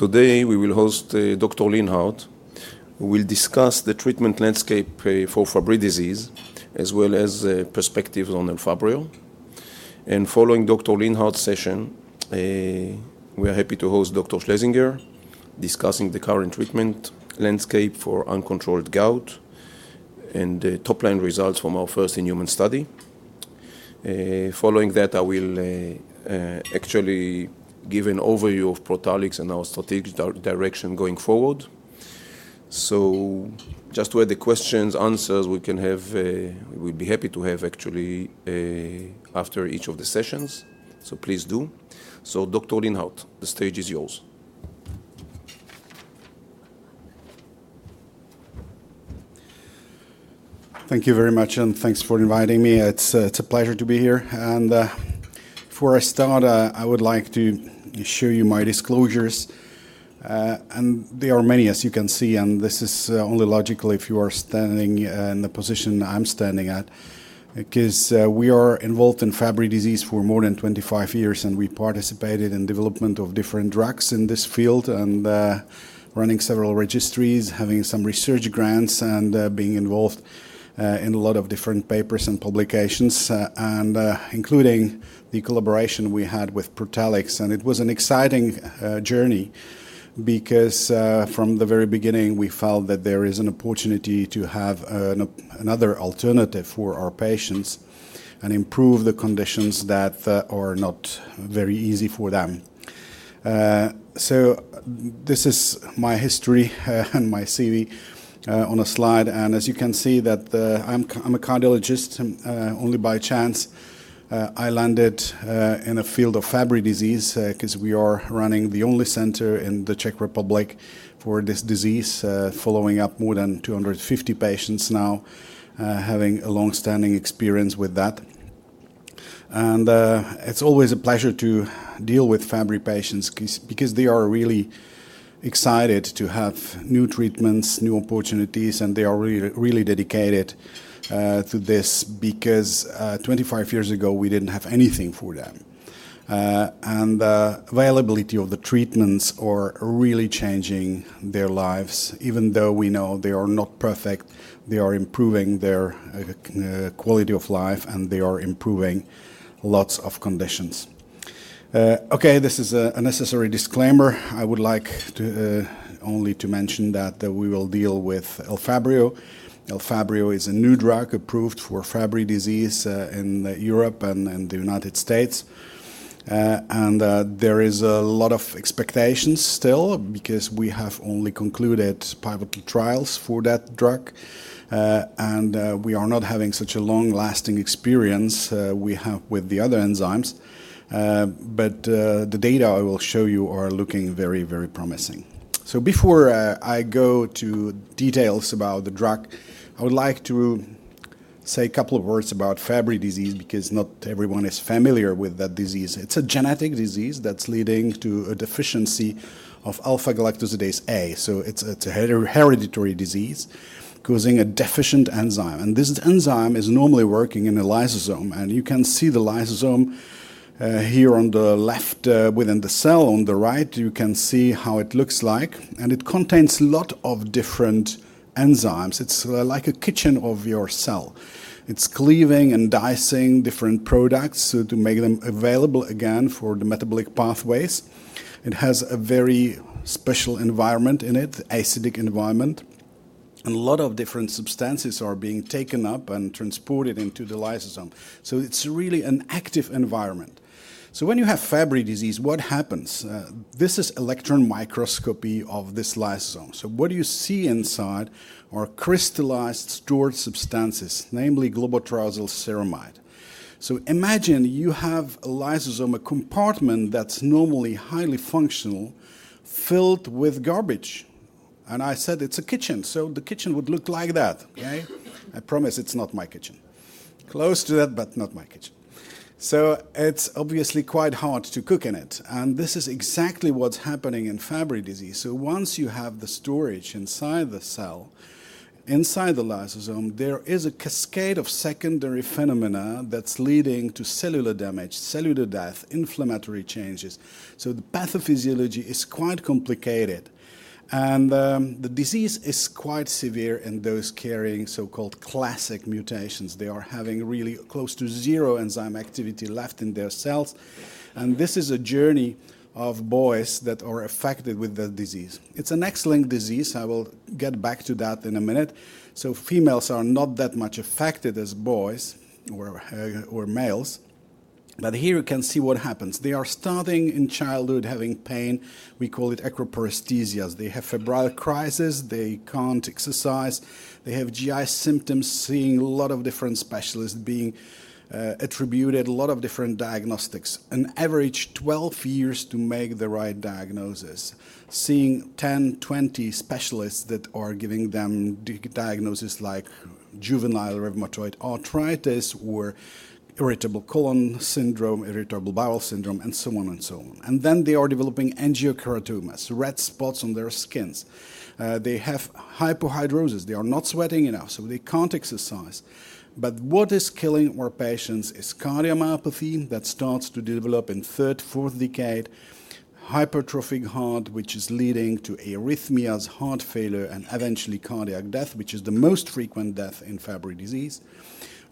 Morning. Today we will host Dr. Linhart. We will discuss the treatment landscape for Fabry disease, as well as perspectives on Elfabrio. Following Dr. Linhart's session, we are happy to host Dr. Schlesinger discussing the current treatment landscape for uncontrolled gout and the top-line results from our first in-human study. Following that, I will actually give an overview of Protalix and our strategic direction going forward. So just to add the questions and answers we can have, we'll be happy to have actually after each of the sessions, so please do. So Dr. Linhart, the stage is yours. Thank you very much, and thanks for inviting me. It's a pleasure to be here. Before I start, I would like to show you my disclosures. There are many, as you can see, and this is only logical if you are standing in the position I'm standing at, because we are involved in Fabry disease for more than 25 years, and we participated in the development of different drugs in this field, and running several registries, having some research grants, and being involved in a lot of different papers and publications, including the collaboration we had with Protalix. It was an exciting journey because from the very beginning we felt that there is an opportunity to have another alternative for our patients and improve the conditions that are not very easy for them. This is my history and my CV on a slide. As you can see, I'm a cardiologist. Only by chance, I landed in a field of Fabry disease because we are running the only center in the Czech Republic for this disease, following up more than 250 patients now, having a long-standing experience with that. And it's always a pleasure to deal with Fabry patients because they are really excited to have new treatments, new opportunities, and they are really dedicated to this because 25 years ago we didn't have anything for them. And the availability of the treatments is really changing their lives, even though we know they are not perfect, they are improving their quality of life, and they are improving lots of conditions. Okay, this is a necessary disclaimer. I would like only to mention that we will deal with Elfabrio. Elfabrio is a new drug approved for Fabry disease in Europe and the United States. There are a lot of expectations still because we have only concluded pilot trials for that drug, and we are not having such a long-lasting experience we have with the other enzymes. The data I will show you are looking very, very promising. Before I go to details about the drug, I would like to say a couple of words about Fabry disease because not everyone is familiar with that disease. It's a genetic disease that's leading to a deficiency of alpha-galactosidase A. It's a hereditary disease causing a deficient enzyme. This enzyme is normally working in a lysosome, and you can see the lysosome here on the left within the cell. On the right, you can see how it looks like, and it contains a lot of different enzymes. It's like a kitchen of your cell. It's cleaving and dicing different products to make them available again for the metabolic pathways. It has a very special environment in it, acidic environment. And a lot of different substances are being taken up and transported into the lysosome. So it's really an active environment. So when you have Fabry disease, what happens? This is electron microscopy of this lysosome. So what do you see inside are crystallized, stored substances, namely globotriaosylceramide. So imagine you have a lysosome, a compartment that's normally highly functional, filled with garbage. And I said it's a kitchen, so the kitchen would look like that, okay? I promise it's not my kitchen. Close to that, but not my kitchen. So it's obviously quite hard to cook in it. This is exactly what's happening in Fabry disease. Once you have the storage inside the cell, inside the lysosome, there is a cascade of secondary phenomena that's leading to cellular damage, cellular death, inflammatory changes. The pathophysiology is quite complicated. The disease is quite severe in those carrying so-called classic mutations. They are having really close to zero enzyme activity left in their cells. This is a journey of boys that are affected with the disease. It's an X-linked disease. I will get back to that in a minute. Females are not that much affected as boys or males. But here you can see what happens. They are starting in childhood having pain. We call it acroparesthesias. They have febrile crises. They can't exercise. They have GI symptoms, seeing a lot of different specialists being attributed, a lot of different diagnostics. An average of 12 years to make the right diagnosis, seeing 10, 20 specialists that are giving them diagnoses like juvenile rheumatoid arthritis or irritable colon syndrome, irritable bowel syndrome, and so on and so on. And then they are developing angiokeratomas, red spots on their skin. They have hypohidrosis. They are not sweating enough, so they can't exercise. But what is killing our patients is cardiomyopathy that starts to develop in the third, fourth decade, hypertrophic heart, which is leading to arrhythmias, heart failure, and eventually cardiac death, which is the most frequent death in Fabry disease.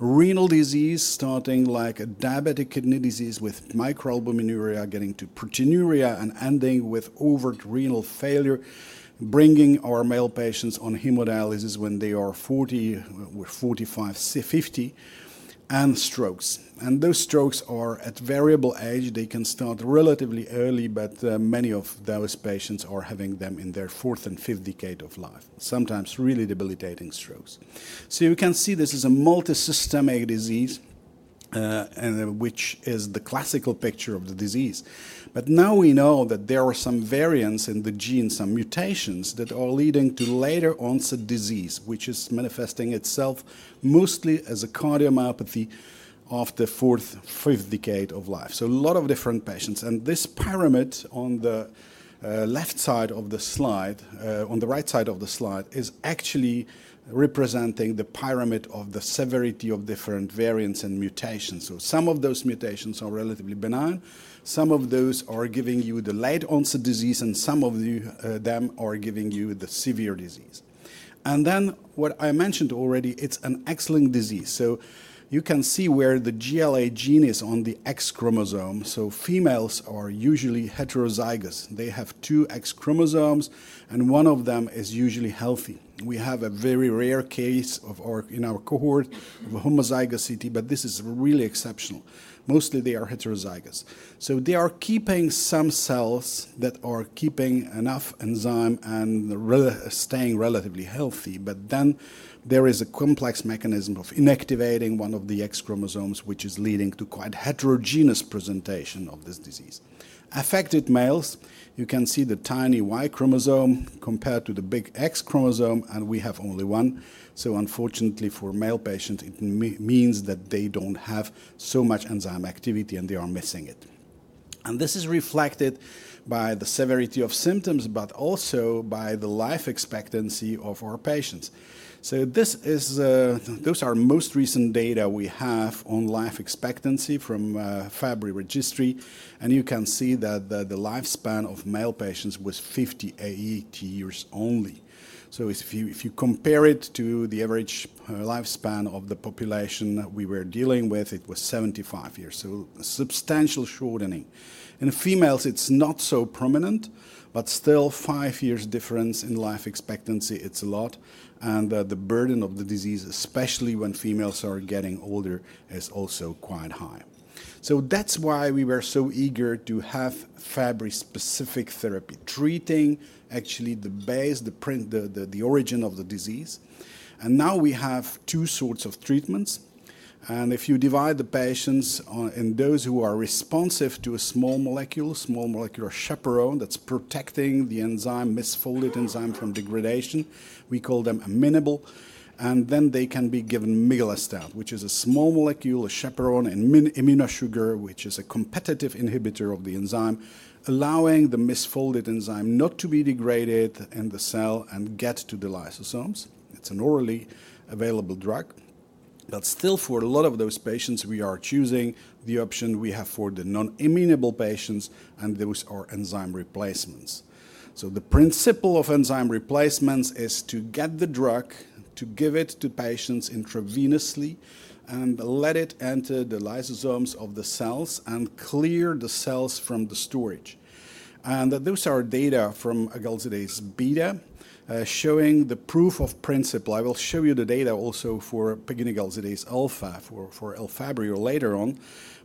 Renal disease starting like diabetic kidney disease with microalbuminuria getting to proteinuria and ending with overt renal failure, bringing our male patients on hemodialysis when they are 40, 50, and strokes. And those strokes are at variable age. They can start relatively early, but many of those patients are having them in their fourth and fifth decade of life, sometimes really debilitating strokes. So you can see this is a multisystemic disease, which is the classic picture of the disease. But now we know that there are some variants in the gene, some mutations that are leading to later-onset disease, which is manifesting itself mostly as a cardiomyopathy of the fourth, fifth decade of life. So a lot of different patients. And this pyramid on the left side of the slide, on the right side of the slide, is actually representing the pyramid of the severity of different variants and mutations. So some of those mutations are relatively benign. Some of those are giving you the late-onset disease, and some of them are giving you the severe disease. And then what I mentioned already, it's an X-linked disease. You can see where the GLA gene is on the X chromosome. Females are usually heterozygous. They have two X chromosomes, and one of them is usually healthy. We have a very rare case in our cohort of homozygosity, but this is really exceptional. Mostly they are heterozygous. They are keeping some cells that are keeping enough enzyme and staying relatively healthy. But then there is a complex mechanism of inactivating one of the X chromosomes, which is leading to quite heterogeneous presentation of this disease. Affected males, you can see the tiny Y chromosome compared to the big X chromosome, and we have only one. Unfortunately for male patients, it means that they don't have so much enzyme activity, and they are missing it. This is reflected by the severity of symptoms, but also by the life expectancy of our patients. So those are most recent data we have on life expectancy from Fabry Registry. And you can see that the lifespan of male patients was 58 years only. So if you compare it to the average lifespan of the population we were dealing with, it was 75 years. So substantial shortening. In females, it's not so prominent, but still five years difference in life expectancy, it's a lot. And the burden of the disease, especially when females are getting older, is also quite high. So that's why we were so eager to have Fabry-specific therapy, treating actually the base, the origin of the disease. And now we have two sorts of treatments. And if you divide the patients in those who are responsive to a small molecule, small molecular chaperone that's protecting the enzyme, misfolded enzyme from degradation, we call them amenable. Then they can be given migalastat, which is a small molecule, a chaperone, an iminosugar, which is a competitive inhibitor of the enzyme, allowing the misfolded enzyme not to be degraded in the cell and get to the lysosomes. It's an orally available drug. But still, for a lot of those patients, we are choosing the option we have for the non-amenable patients, and those are enzyme replacements. So the principle of enzyme replacements is to get the drug, to give it to patients intravenously, and let it enter the lysosomes of the cells and clear the cells from the storage. And those are data from agalsidase beta showing the proof of principle. I will show you the data also for pegunigalsidase alfa for Elfabrio later on.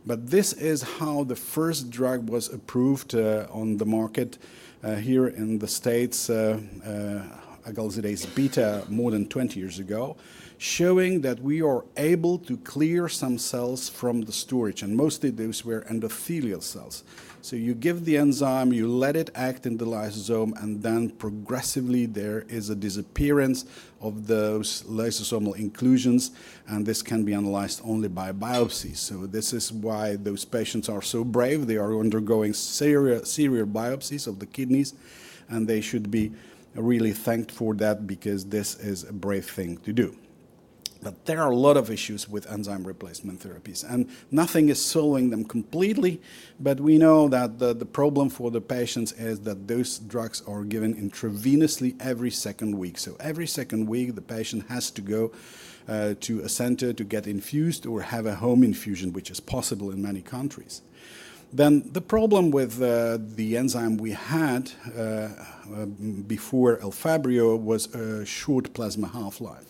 But this is how the first drug was approved on the market here in the States, agalsidase beta, more than 20 years ago, showing that we are able to clear some cells from the storage. And mostly those were endothelial cells. So you give the enzyme, you let it act in the lysosome, and then progressively there is a disappearance of those lysosomal inclusions, and this can be analyzed only by biopsy. So this is why those patients are so brave. They are undergoing serial biopsies of the kidneys, and they should be really thanked for that because this is a brave thing to do. But there are a lot of issues with enzyme replacement therapies, and nothing is solving them completely. But we know that the problem for the patients is that those drugs are given intravenously every second week. So every second week, the patient has to go to a center to get infused or have a home infusion, which is possible in many countries. Then the problem with the enzyme we had before Elfabrio was a short plasma half-life.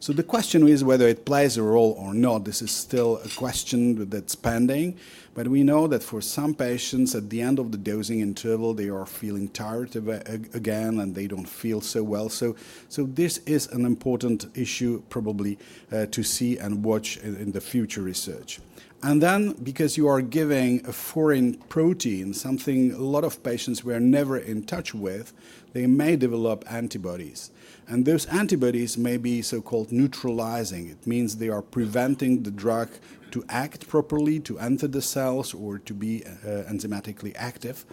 So the question is whether it plays a role or not. This is still a question that's pending. But we know that for some patients, at the end of the dosing interval, they are feeling tired again, and they don't feel so well. So this is an important issue probably to see and watch in the future research. And then because you are giving a foreign protein, something a lot of patients were never in touch with, they may develop antibodies. And those antibodies may be so-called neutralizing. It means they are preventing the drug to act properly, to enter the cells, or to be enzymatically active.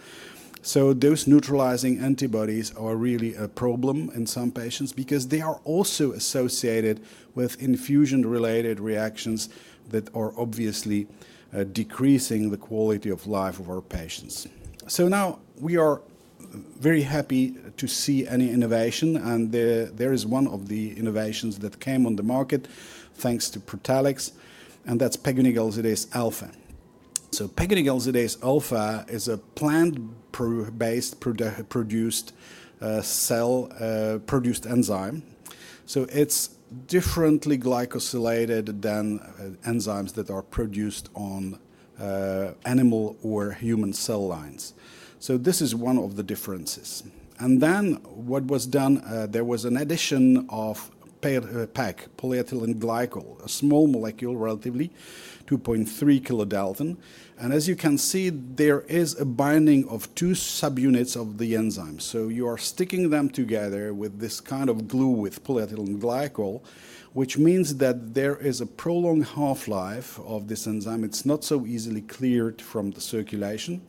So those neutralizing antibodies are really a problem in some patients because they are also associated with infusion-related reactions that are obviously decreasing the quality of life of our patients. So now we are very happy to see any innovation. And there is one of the innovations that came on the market thanks to Protalix, and that's pegunigalsidase alfa. So pegunigalsidase alfa is a plant-based produced enzyme. So it's differently glycosylated than enzymes that are produced on animal or human cell lines. So this is one of the differences. And then what was done, there was an addition of PEG, polyethylene glycol, a small molecule, relatively 2.3 kilodalton. And as you can see, there is a binding of two subunits of the enzyme. So you are sticking them together with this kind of glue with polyethylene glycol, which means that there is a prolonged half-life of this enzyme. It's not so easily cleared from the circulation.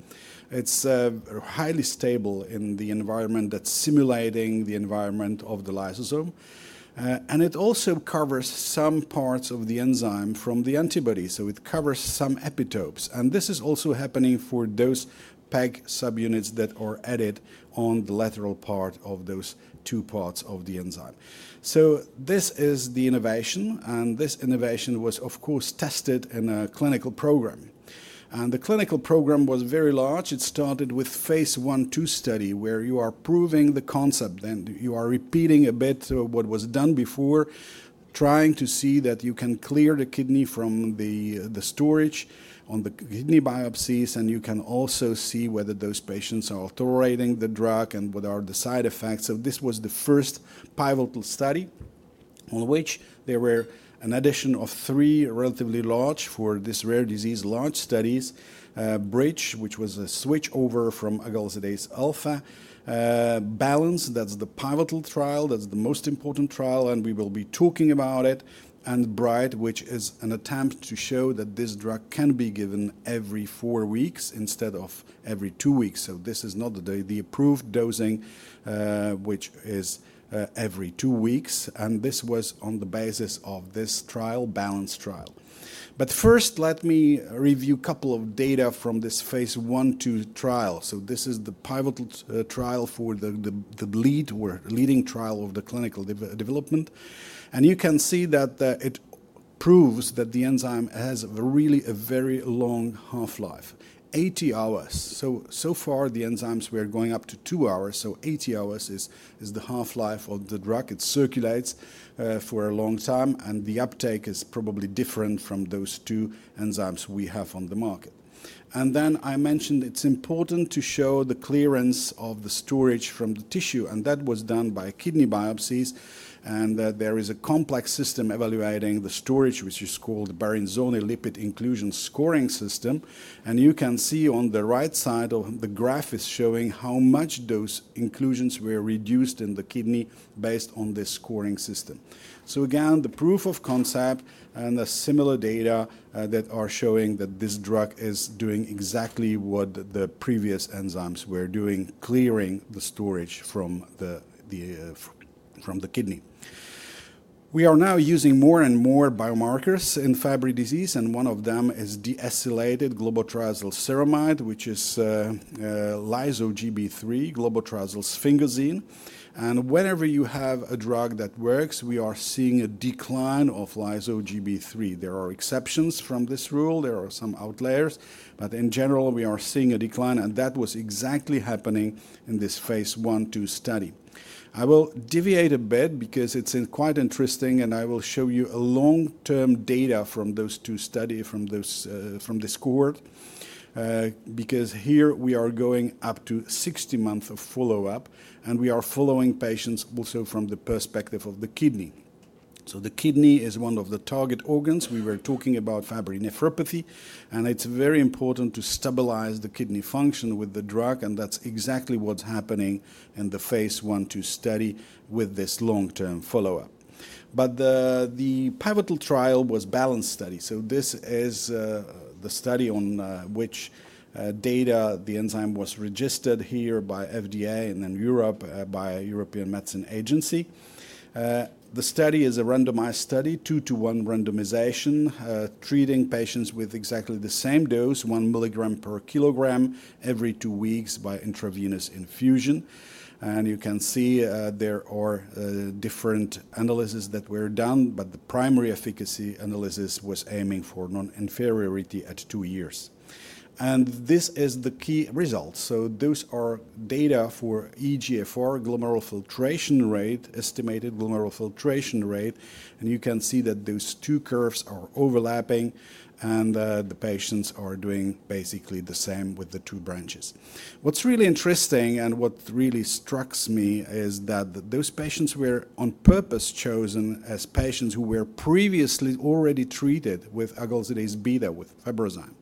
It's highly stable in the environment that's simulating the environment of the lysosome. It also covers some parts of the enzyme from the antibodies. So it covers some epitopes. And this is also happening for those PEG subunits that are added on the lateral part of those two parts of the enzyme. So this is the innovation. And this innovation was, of course, tested in a clinical program. And the clinical program was very large. It started with phase I/II study where you are proving the concept. Then you are repeating a bit of what was done before, trying to see that you can clear the kidney from the storage on the kidney biopsies. And you can also see whether those patients are tolerating the drug and what are the side effects. So this was the first pivotal study on which there were an addition of three relatively large for this rare disease, large studies, Bridge, which was a switch over from agalsidase alfa, Balance, that's the pivotal trial, that's the most important trial. And we will be talking about it, and Bright, which is an attempt to show that this drug can be given every four weeks instead of every two weeks. So this is not the approved dosing, which is every two weeks. And this was on the basis of this trial, BALANCE trial. But first, let me review a couple of data from this phase I/II trial. So this is the pivotal trial for the lead or leading trial of the clinical development. And you can see that it proves that the enzyme has really a very long half-life, 80 hours. So far, the enzymes were going up to 2 hours. So 80 hours is the half-life of the drug. It circulates for a long time. And the uptake is probably different from those two enzymes we have on the market. And then I mentioned it's important to show the clearance of the storage from the tissue. And that was done by kidney biopsies. And there is a complex system evaluating the storage, which is called the Barisoni Lipid Inclusion Scoring System. And you can see on the right side of the graph is showing how much those inclusions were reduced in the kidney based on this scoring system. So again, the proof of concept and the similar data that are showing that this drug is doing exactly what the previous enzymes were doing, clearing the storage from the kidney. We are now using more and more biomarkers in Fabry disease. One of them is deacylated globotriaosylceramide, which is lyso-Gb3, globotriaosylsphingosine. And whenever you have a drug that works, we are seeing a decline of lyso-Gb3. There are exceptions from this rule. There are some outliers. But in general, we are seeing a decline. And that was exactly happening in this phase I/II study. I will deviate a bit because it's quite interesting. And I will show you long-term data from those two studies from this cohort because here we are going up to 60 months of follow-up. And we are following patients also from the perspective of the kidney. So the kidney is one of the target organs. We were talking about Fabry nephropathy. And it's very important to stabilize the kidney function with the drug. And that's exactly what's happening in the phase I/II study with this long-term follow-up. The pivotal trial was the BALANCE study. This is the study on which data the enzyme was registered here by the FDA and then in Europe by the European Medicines Agency. The study is a randomized study, 2-to-1 randomization, treating patients with exactly the same dose, 1 milligram per kilogram every 2 weeks by intravenous infusion. You can see there are different analyses that were done. The primary efficacy analysis was aiming for non-inferiority at 2 years. This is the key result. Those are data for eGFR, glomerular filtration rate, estimated glomerular filtration rate. You can see that those two curves are overlapping. The patients are doing basically the same with the two branches. What's really interesting and what really struck me is that those patients were on purpose chosen as patients who were previously already treated with agalsidase beta with Fabrazyme.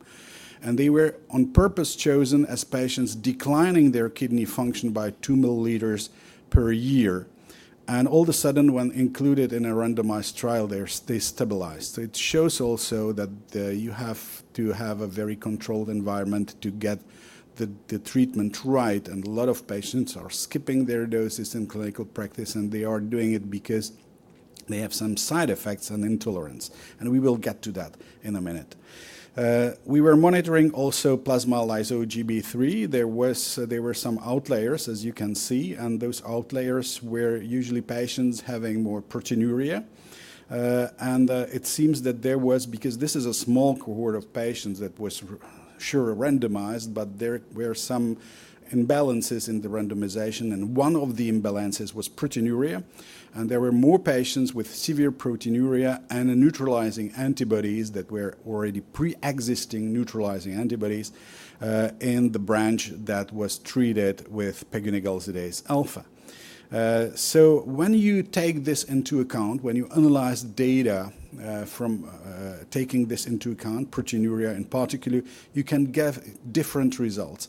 They were on purpose chosen as patients declining their kidney function by 2 milliliters per year. All of a sudden, when included in a randomized trial, they stabilized. It shows also that you have to have a very controlled environment to get the treatment right. A lot of patients are skipping their doses in clinical practice. They are doing it because they have some side effects and intolerance. We will get to that in a minute. We were monitoring also plasma lyso-Gb3. There were some outliers, as you can see. Those outliers were usually patients having more proteinuria. It seems that there was, because this is a small cohort of patients that was surely randomized, but there were some imbalances in the randomization. One of the imbalances was proteinuria. There were more patients with severe proteinuria and neutralizing antibodies that were already pre-existing neutralizing antibodies in the branch that was treated with pegunigalsidase alfa. So when you take this into account, when you analyze data from taking this into account, proteinuria in particular, you can get different results.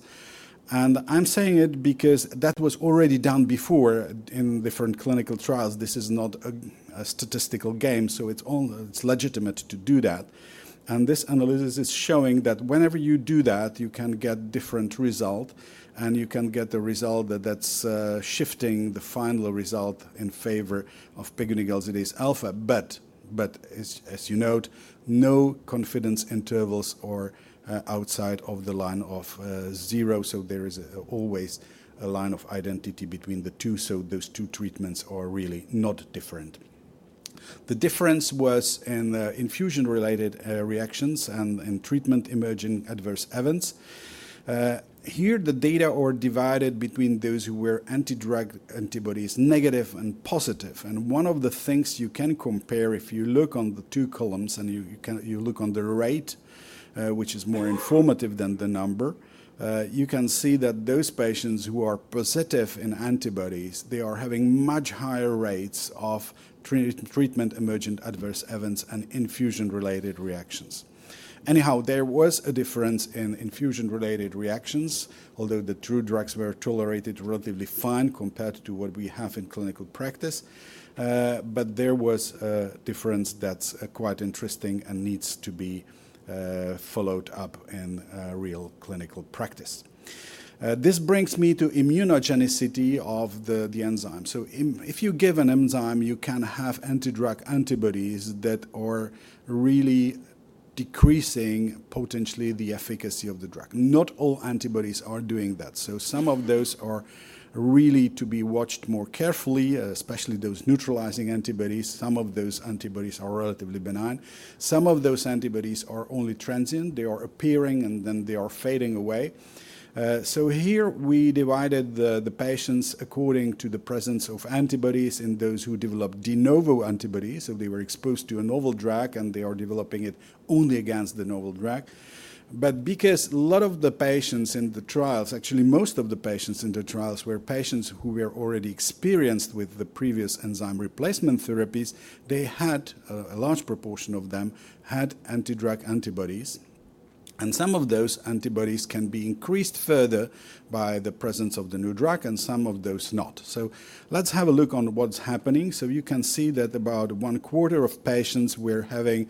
And I'm saying it because that was already done before in different clinical trials. This is not a statistical game. So it's legitimate to do that. And this analysis is showing that whenever you do that, you can get different results. And you can get the result that that's shifting the final result in favor of pegunigalsidase alfa. But as you note, no confidence intervals are outside of the line of zero. So there is always a line of identity between the two. So those two treatments are really not different. The difference was in infusion-related reactions and in treatment-emergent adverse events. Here, the data are divided between those who were anti-drug antibodies negative and positive. One of the things you can compare, if you look on the two columns and you look on the rate, which is more informative than the number, you can see that those patients who are positive in antibodies, they are having much higher rates of treatment-emergent adverse events and infusion-related reactions. Anyhow, there was a difference in infusion-related reactions, although the two drugs were tolerated relatively fine compared to what we have in clinical practice. But there was a difference that's quite interesting and needs to be followed up in real clinical practice. This brings me to immunogenicity of the enzyme. So if you give an enzyme, you can have anti-drug antibodies that are really decreasing potentially the efficacy of the drug. Not all antibodies are doing that. So some of those are really to be watched more carefully, especially those neutralizing antibodies. Some of those antibodies are relatively benign. Some of those antibodies are only transient. They are appearing and then they are fading away. So here, we divided the patients according to the presence of antibodies in those who developed de novo antibodies. So they were exposed to a novel drug, and they are developing it only against the novel drug. But because a lot of the patients in the trials, actually most of the patients in the trials were patients who were already experienced with the previous enzyme replacement therapies, they had a large proportion of them had anti-drug antibodies. And some of those antibodies can be increased further by the presence of the new drug, and some of those not. So let's have a look on what's happening. So you can see that about one quarter of patients were having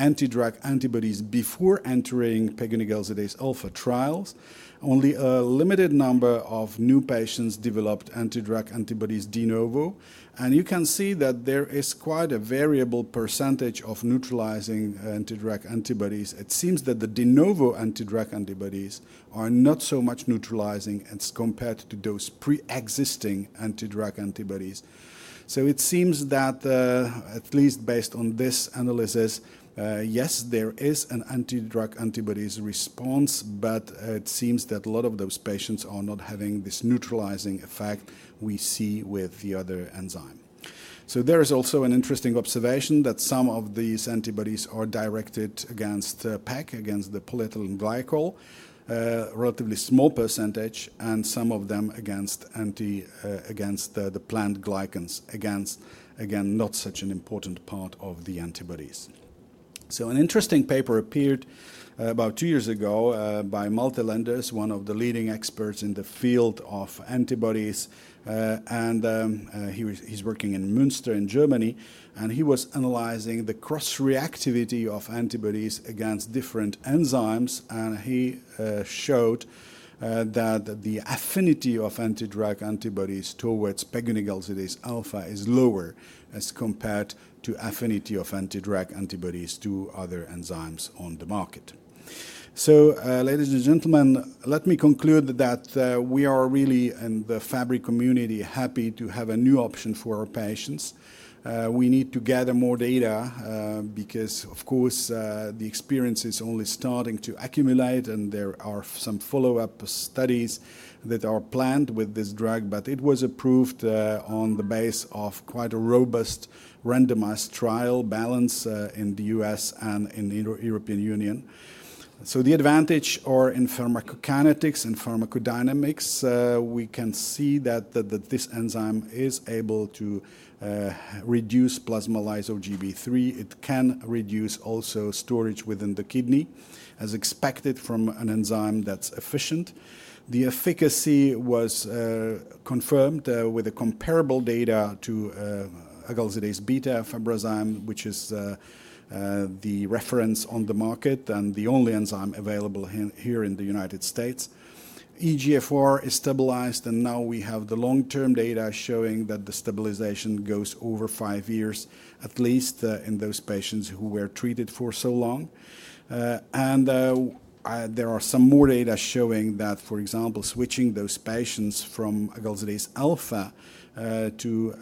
anti-drug antibodies before entering pegunigalsidase alfa trials. Only a limited number of new patients developed anti-drug antibodies de novo. And you can see that there is quite a variable percentage of neutralizing anti-drug antibodies. It seems that the de novo anti-drug antibodies are not so much neutralizing as compared to those pre-existing anti-drug antibodies. So it seems that, at least based on this analysis, yes, there is an anti-drug antibodies response, but it seems that a lot of those patients are not having this neutralizing effect we see with the other enzyme. So there is also an interesting observation that some of these antibodies are directed against PEG, against the polyethylene glycol, a relatively small percentage, and some of them against the plant glycans, again, not such an important part of the antibodies. An interesting paper appeared about two years ago by Malte Lenders, one of the leading experts in the field of antibodies. He is working in Münster in Germany. He was analyzing the cross-reactivity of antibodies against different enzymes. He showed that the affinity of anti-drug antibodies towards pegunigalsidase alfa is lower as compared to affinity of anti-drug antibodies to other enzymes on the market. Ladies and gentlemen, let me conclude that we are really in the Fabry community happy to have a new option for our patients. We need to gather more data because, of course, the experience is only starting to accumulate. There are some follow-up studies that are planned with this drug. It was approved on the basis of quite a robust randomized balanced trial in the U.S. and in the European Union. So the advantage in pharmacokinetics and pharmacodynamics, we can see that this enzyme is able to reduce plasma lyso-Gb3. It can reduce also storage within the kidney as expected from an enzyme that's efficient. The efficacy was confirmed with comparable data to agalsidase beta Fabrazyme, which is the reference on the market and the only enzyme available here in the United States. eGFR is stabilized. And now we have the long-term data showing that the stabilization goes over five years, at least in those patients who were treated for so long. And there are some more data showing that, for example, switching those patients from agalsidase alfa to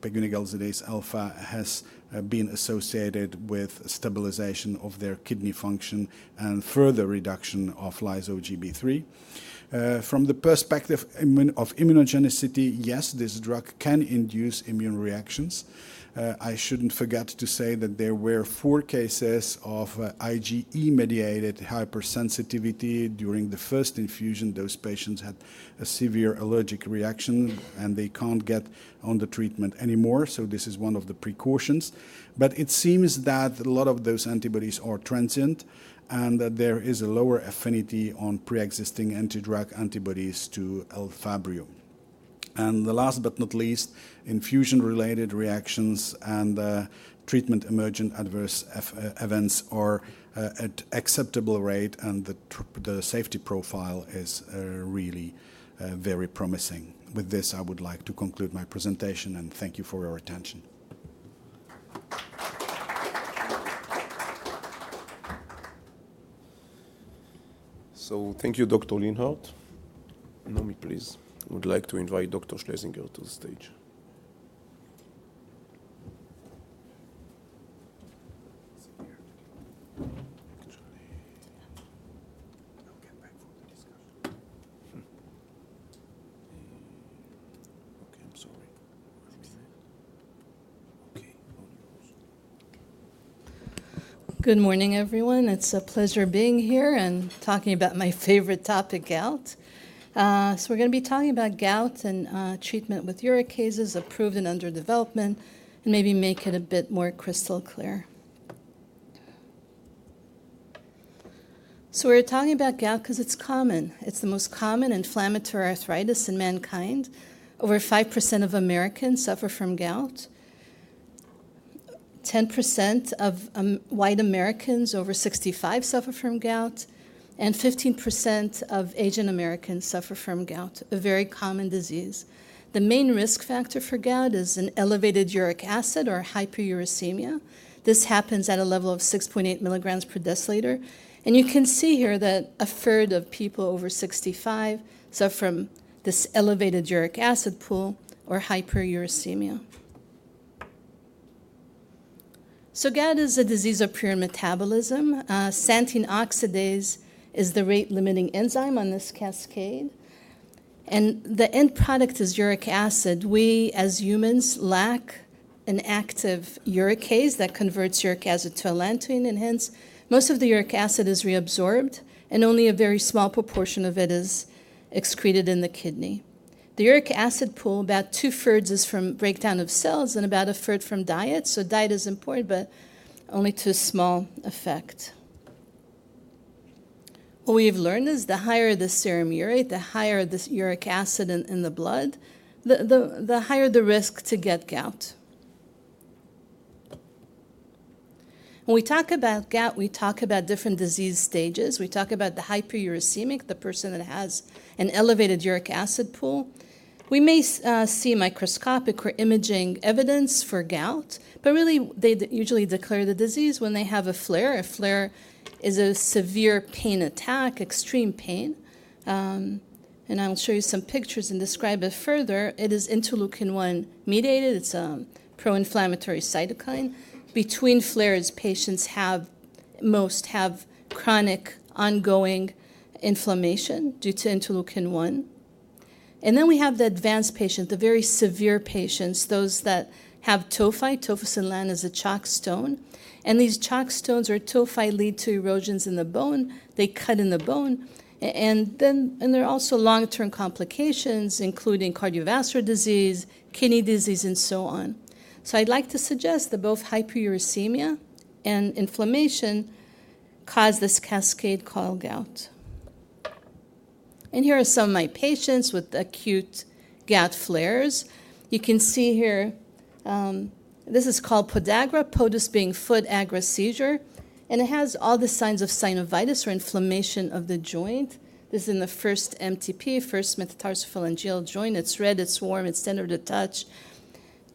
pegunigalsidase alfa has been associated with stabilization of their kidney function and further reduction of lyso-Gb3. From the perspective of immunogenicity, yes, this drug can induce immune reactions. I shouldn't forget to say that there were four cases of IgE-mediated hypersensitivity during the first infusion. Those patients had a severe allergic reaction. They can't get on the treatment anymore. So this is one of the precautions. But it seems that a lot of those antibodies are transient. And there is a lower affinity on pre-existing anti-drug antibodies to Elfabrio. And the last but not least, infusion-related reactions and treatment-emergent adverse events are at acceptable rate. And the safety profile is really very promising. With this, I would like to conclude my presentation. Thank you for your attention. So thank you, Dr. Linhart. Naomi, please. I would like to invite Dr. Schlesinger to the stage. Actually, I'll get back from the discussion. OK, I'm sorry. That's fine. OK, hold yours. Good morning, everyone. It's a pleasure being here and talking about my favorite topic, gout. So we're going to be talking about gout and treatment with uricase approved and under development and maybe make it a bit more crystal clear. So we're talking about gout because it's common. It's the most common inflammatory arthritis in mankind. Over 5% of Americans suffer from gout. 10% of white Americans over 65 suffer from gout. 15% of Asian Americans suffer from gout, a very common disease. The main risk factor for gout is an elevated uric acid or hyperuricemia. This happens at a level of 6.8 milligrams per deciliter. You can see here that a third of people over 65 suffer from this elevated uric acid pool or hyperuricemia. So gout is a disease of purine metabolism. Xanthine oxidase is the rate-limiting enzyme on this cascade. The end product is uric acid. We, as humans, lack an active uricase that converts uric acid to allantoin. Hence, most of the uric acid is reabsorbed. Only a very small proportion of it is excreted in the kidney. The uric acid pool, about two-thirds, is from breakdown of cells and about a third from diet. So diet is important, but only to a small effect. What we have learned is the higher the serum urate, the higher this uric acid in the blood, the higher the risk to get gout. When we talk about gout, we talk about different disease stages. We talk about the hyperuricemic, the person that has an elevated uric acid pool. We may see microscopic or imaging evidence for gout. But really, they usually declare the disease when they have a flare. A flare is a severe pain attack, extreme pain. I'll show you some pictures and describe it further. It is interleukin-1 mediated. It's a pro-inflammatory cytokine. Between flares, patients mostly have chronic ongoing inflammation due to interleukin-1. Then we have the advanced patients, the very severe patients, those that have tophi. A tophus is a chalkstone. These chalkstones or tophi lead to erosions in the bone. They cut in the bone. There are also long-term complications, including cardiovascular disease, kidney disease, and so on. I'd like to suggest that both hyperuricemia and inflammation cause this cascade called gout. Here are some of my patients with acute gout flares. You can see here, this is called podagra, podos being foot, agra, seizure. It has all the signs of synovitis or inflammation of the joint. This is in the first MTP, first metatarsophalangeal joint. It's red. It's warm. It's tender to touch.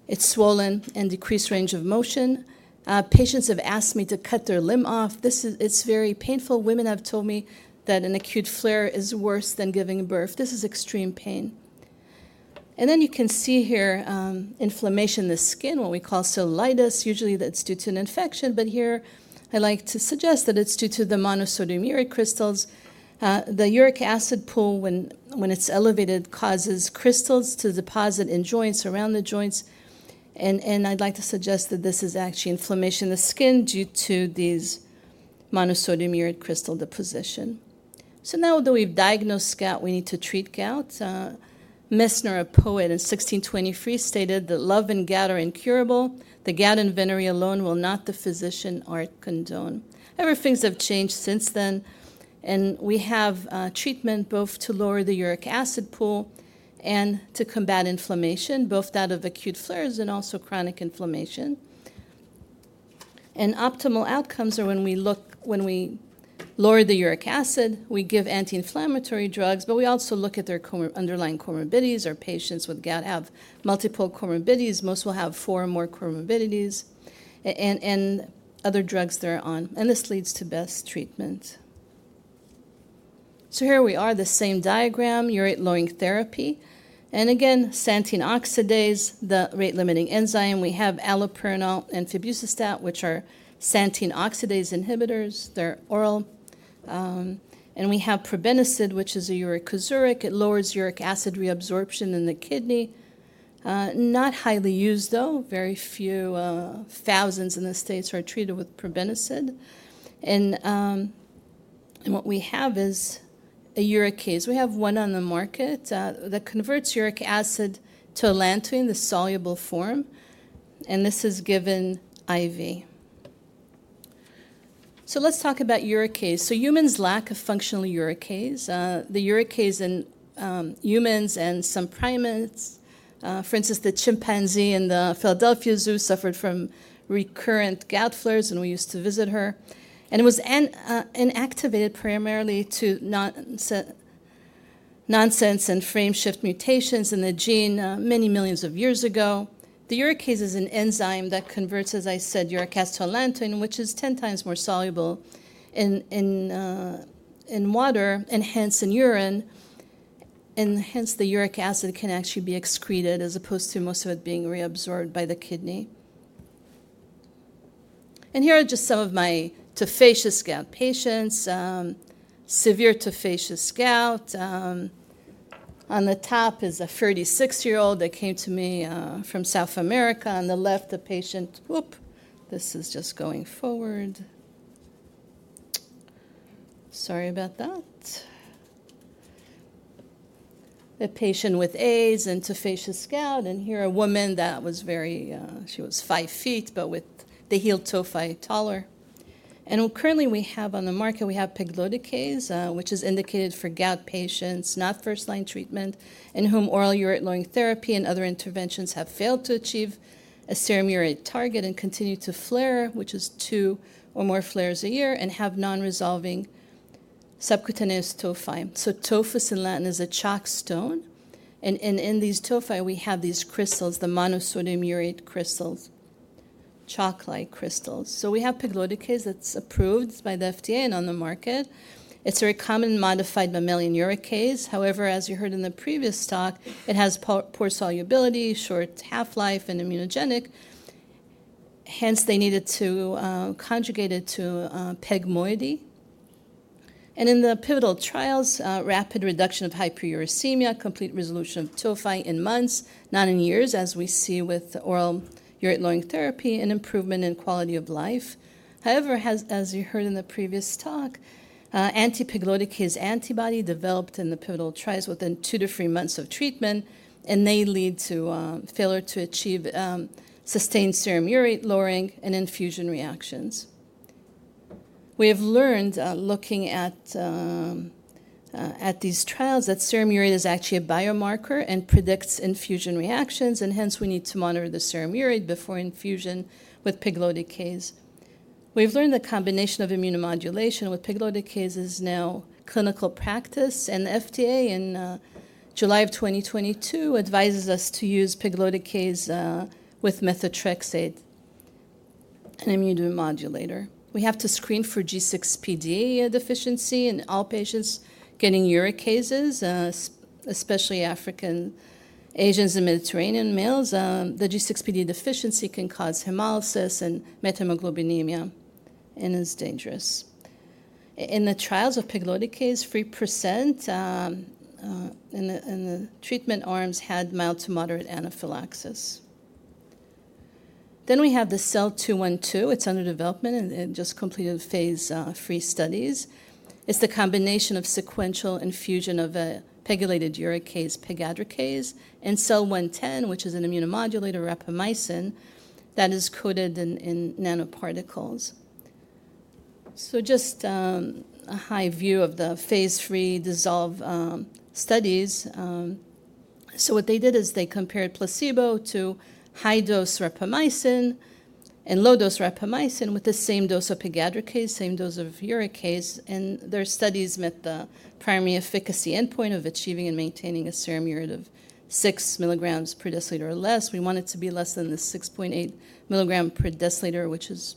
It's swollen and decreased range of motion. Patients have asked me to cut their limb off. It's very painful. Women have told me that an acute flare is worse than giving birth. This is extreme pain. And then you can see here inflammation in the skin, what we call cellulitis. Usually, that's due to an infection. But here, I like to suggest that it's due to the monosodium urate crystals. The uric acid pool, when it's elevated, causes crystals to deposit in joints, around the joints. And I'd like to suggest that this is actually inflammation in the skin due to these monosodium urate crystal deposition. So now that we've diagnosed gout, we need to treat gout. Meisner, a poet, in 1623 stated that love and gout are incurable. The gout and venere alone will not the physician or condone. However, things have changed since then. We have treatment both to lower the uric acid pool and to combat inflammation, both that of acute flares and also chronic inflammation. Optimal outcomes are when we lower the uric acid. We give anti-inflammatory drugs. But we also look at their underlying comorbidities. Our patients with gout have multiple comorbidities. Most will have four or more comorbidities and other drugs they're on. And this leads to best treatment. So here we are, the same diagram, urate-lowering therapy. And again, xanthine oxidase, the rate-limiting enzyme. We have allopurinol and febuxostat, which are xanthine oxidase inhibitors. They're oral. And we have probenecid, which is a uricosuric. It lowers uric acid reabsorption in the kidney. Not highly used, though. Very few thousands in the States are treated with probenecid. And what we have is a uricase. We have one on the market that converts uric acid to allantoin, the soluble form. This is given IV. Let's talk about uricase. Humans lack a functional uricase. The uricase in humans and some primates, for instance, the chimpanzee in the Philadelphia Zoo, suffered from recurrent gout flares. We used to visit her. It was inactivated primarily to nonsense and frame-shift mutations in the gene many millions of years ago. The uricase is an enzyme that converts, as I said, uric acid to allantoin, which is 10 times more soluble in water and hence in urine. Hence, the uric acid can actually be excreted as opposed to most of it being reabsorbed by the kidney. Here are just some of my tophaceous gout patients, severe tophaceous gout. On the top is a 36-year-old that came to me from South America. On the left, the patient, this is just going forward. Sorry about that. A patient with AIDS and tophaceous gout. And here, a woman that was very, she was five feet, but with the huge tophi taller. Currently, we have on the market, we have pegloticase, which is indicated for gout patients, not first-line treatment, in whom oral urate-lowering therapy and other interventions have failed to achieve a serum urate target and continue to flare, which is two or more flares a year, and have non-resolving subcutaneous tophi. So, tophus is a chalkstone. And in these tophi, we have these crystals, the monosodium urate crystals, chalk-like crystals. So we have pegloticase that's approved by the FDA and on the market. It's a very common modified mammalian uricase. However, as you heard in the previous talk, it has poor solubility, short half-life, and immunogenic. Hence, they needed to conjugate it to PEG moiety. And in the pivotal trials, rapid reduction of hyperuricemia, complete resolution of tophi in months, not in years, as we see with oral urate-lowering therapy, and improvement in quality of life. However, as you heard in the previous talk, antipegloticase antibody developed in the pivotal trials within two to three months of treatment. And they lead to failure to achieve sustained serum urate lowering and infusion reactions. We have learned, looking at these trials, that serum urate is actually a biomarker and predicts infusion reactions. And hence, we need to monitor the serum urate before infusion with pegloticase. We've learned the combination of immunomodulation with pegloticase is now clinical practice. And the FDA in July of 2022 advises us to use pegloticase with methotrexate, an immunomodulator. We have to screen for G6PD deficiency in all patients getting uricases, especially African Asians and Mediterranean males. The G6PD deficiency can cause hemolysis and methemoglobinemia and is dangerous. In the trials of pegloticase, 3% in the treatment arms had mild to moderate anaphylaxis. Then we have the SEL-212. It's under development. And it just completed phase III studies. It's the combination of sequential infusion of a pegylated uricase, pegadricase, and SEL-110, which is an immunomodulator, rapamycin, that is coated in nanoparticles. So just a high view of the phase III dissolve studies. So what they did is they compared placebo to high-dose rapamycin and low-dose rapamycin with the same dose of pegadricase, same dose of uricase. And their studies met the primary efficacy endpoint of achieving and maintaining a serum urate of 6 milligrams per deciliter or less. We want it to be less than the 6.8 milligram per deciliter, which is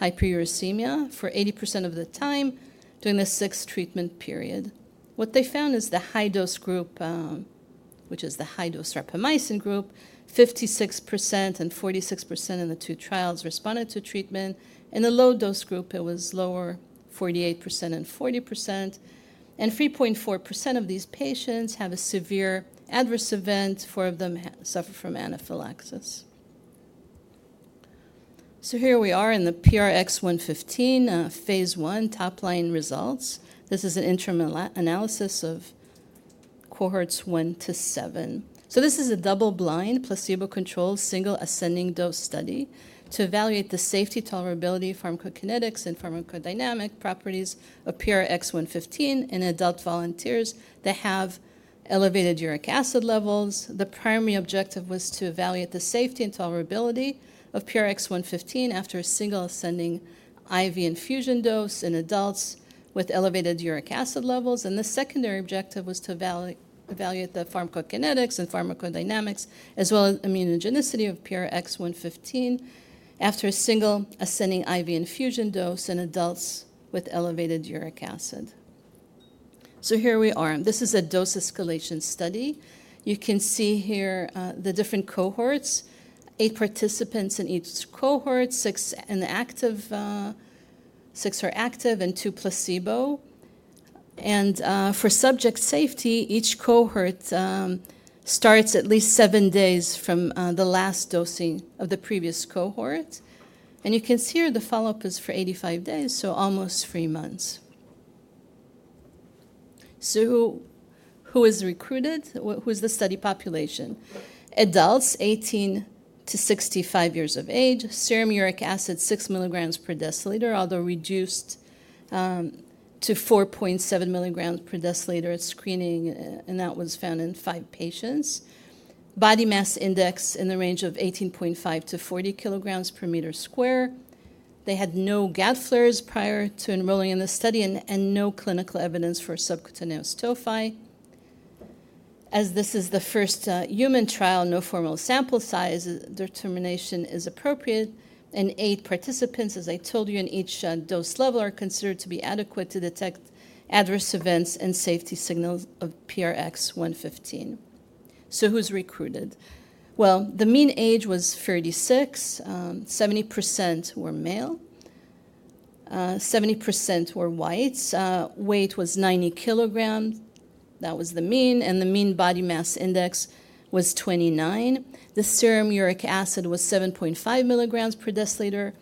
hyperuricemia, for 80% of the time during the 6 treatment period. What they found is the high-dose group, which is the high-dose rapamycin group, 56% and 46% in the two trials responded to treatment. In the low-dose group, it was lower, 48% and 40%. 3.4% of these patients have a severe adverse event. 4 of them suffer from anaphylaxis. Here we are in the PRX-115, phase I, top-line results. This is an interim analysis of cohorts 1-7. This is a double-blind placebo-controlled single ascending dose study to evaluate the safety, tolerability, pharmacokinetics, and pharmacodynamic properties of PRX-115 in adult volunteers that have elevated uric acid levels. The primary objective was to evaluate the safety and tolerability of PRX-115 after a single ascending IV infusion dose in adults with elevated uric acid levels. The secondary objective was to evaluate the pharmacokinetics and pharmacodynamics, as well as immunogenicity of PRX-115 after a single ascending IV infusion dose in adults with elevated uric acid. Here we are. This is a dose escalation study. You can see here the different cohorts, 8 participants in each cohort, 6 are active and 2 placebo. For subject safety, each cohort starts at least 7 days from the last dosing of the previous cohort. You can see here the follow-up is for 85 days, so almost 3 months. Who is recruited? Who is the study population? Adults, 18 years-65 years of age, serum uric acid 6 milligrams per deciliter, although reduced to 4.7 milligrams per deciliter at screening. That was found in five patients. Body mass index in the range of 18.5kg/m²-40 kg/m². They had no gout flares prior to enrolling in the study and no clinical evidence for subcutaneous tophi. As this is the first human trial, no formal sample size determination is appropriate. Eight participants, as I told you, in each dose level are considered to be adequate to detect adverse events and safety signals of PRX-115. So who's recruited? Well, the mean age was 36. 70% were male. 70% were whites. Weight was 90 kg. That was the mean. The mean body mass index was 29. The serum uric acid was 7.5 mg/dL,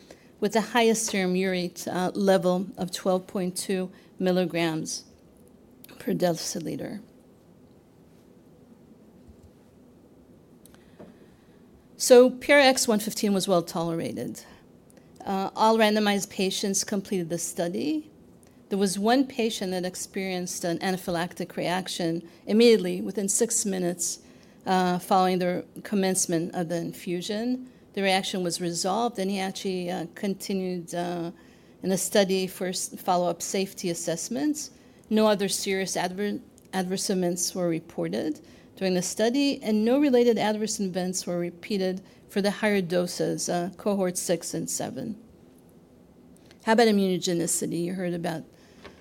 with the highest serum urate level of 12.2 mg/dL. PRX-115 was well tolerated. All randomized patients completed the study. There was one patient that experienced an anaphylactic reaction immediately, within 6 minutes following the commencement of the infusion. The reaction was resolved. He actually continued in the study for follow-up safety assessments. No other serious adverse events were reported during the study. No related adverse events were repeated for the higher doses, cohorts 6 and 7. How about immunogenicity? You heard about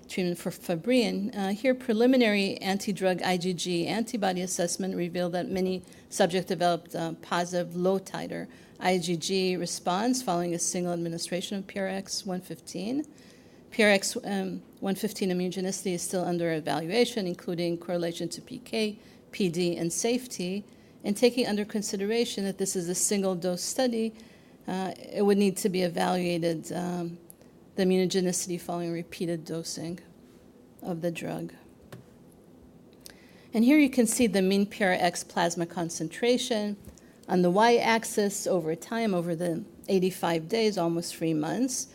treatment for Fabry. Here, preliminary anti-drug IgG antibody assessment revealed that many subjects developed positive low-titer IgG response following a single administration of PRX-115. PRX-115 immunogenicity is still under evaluation, including correlation to PK, PD, and safety. Taking under consideration that this is a single-dose study, it would need to be evaluated the immunogenicity following repeated dosing of the drug. Here you can see the mean PRX plasma concentration on the y-axis over time, over the 85 days, almost 3 months.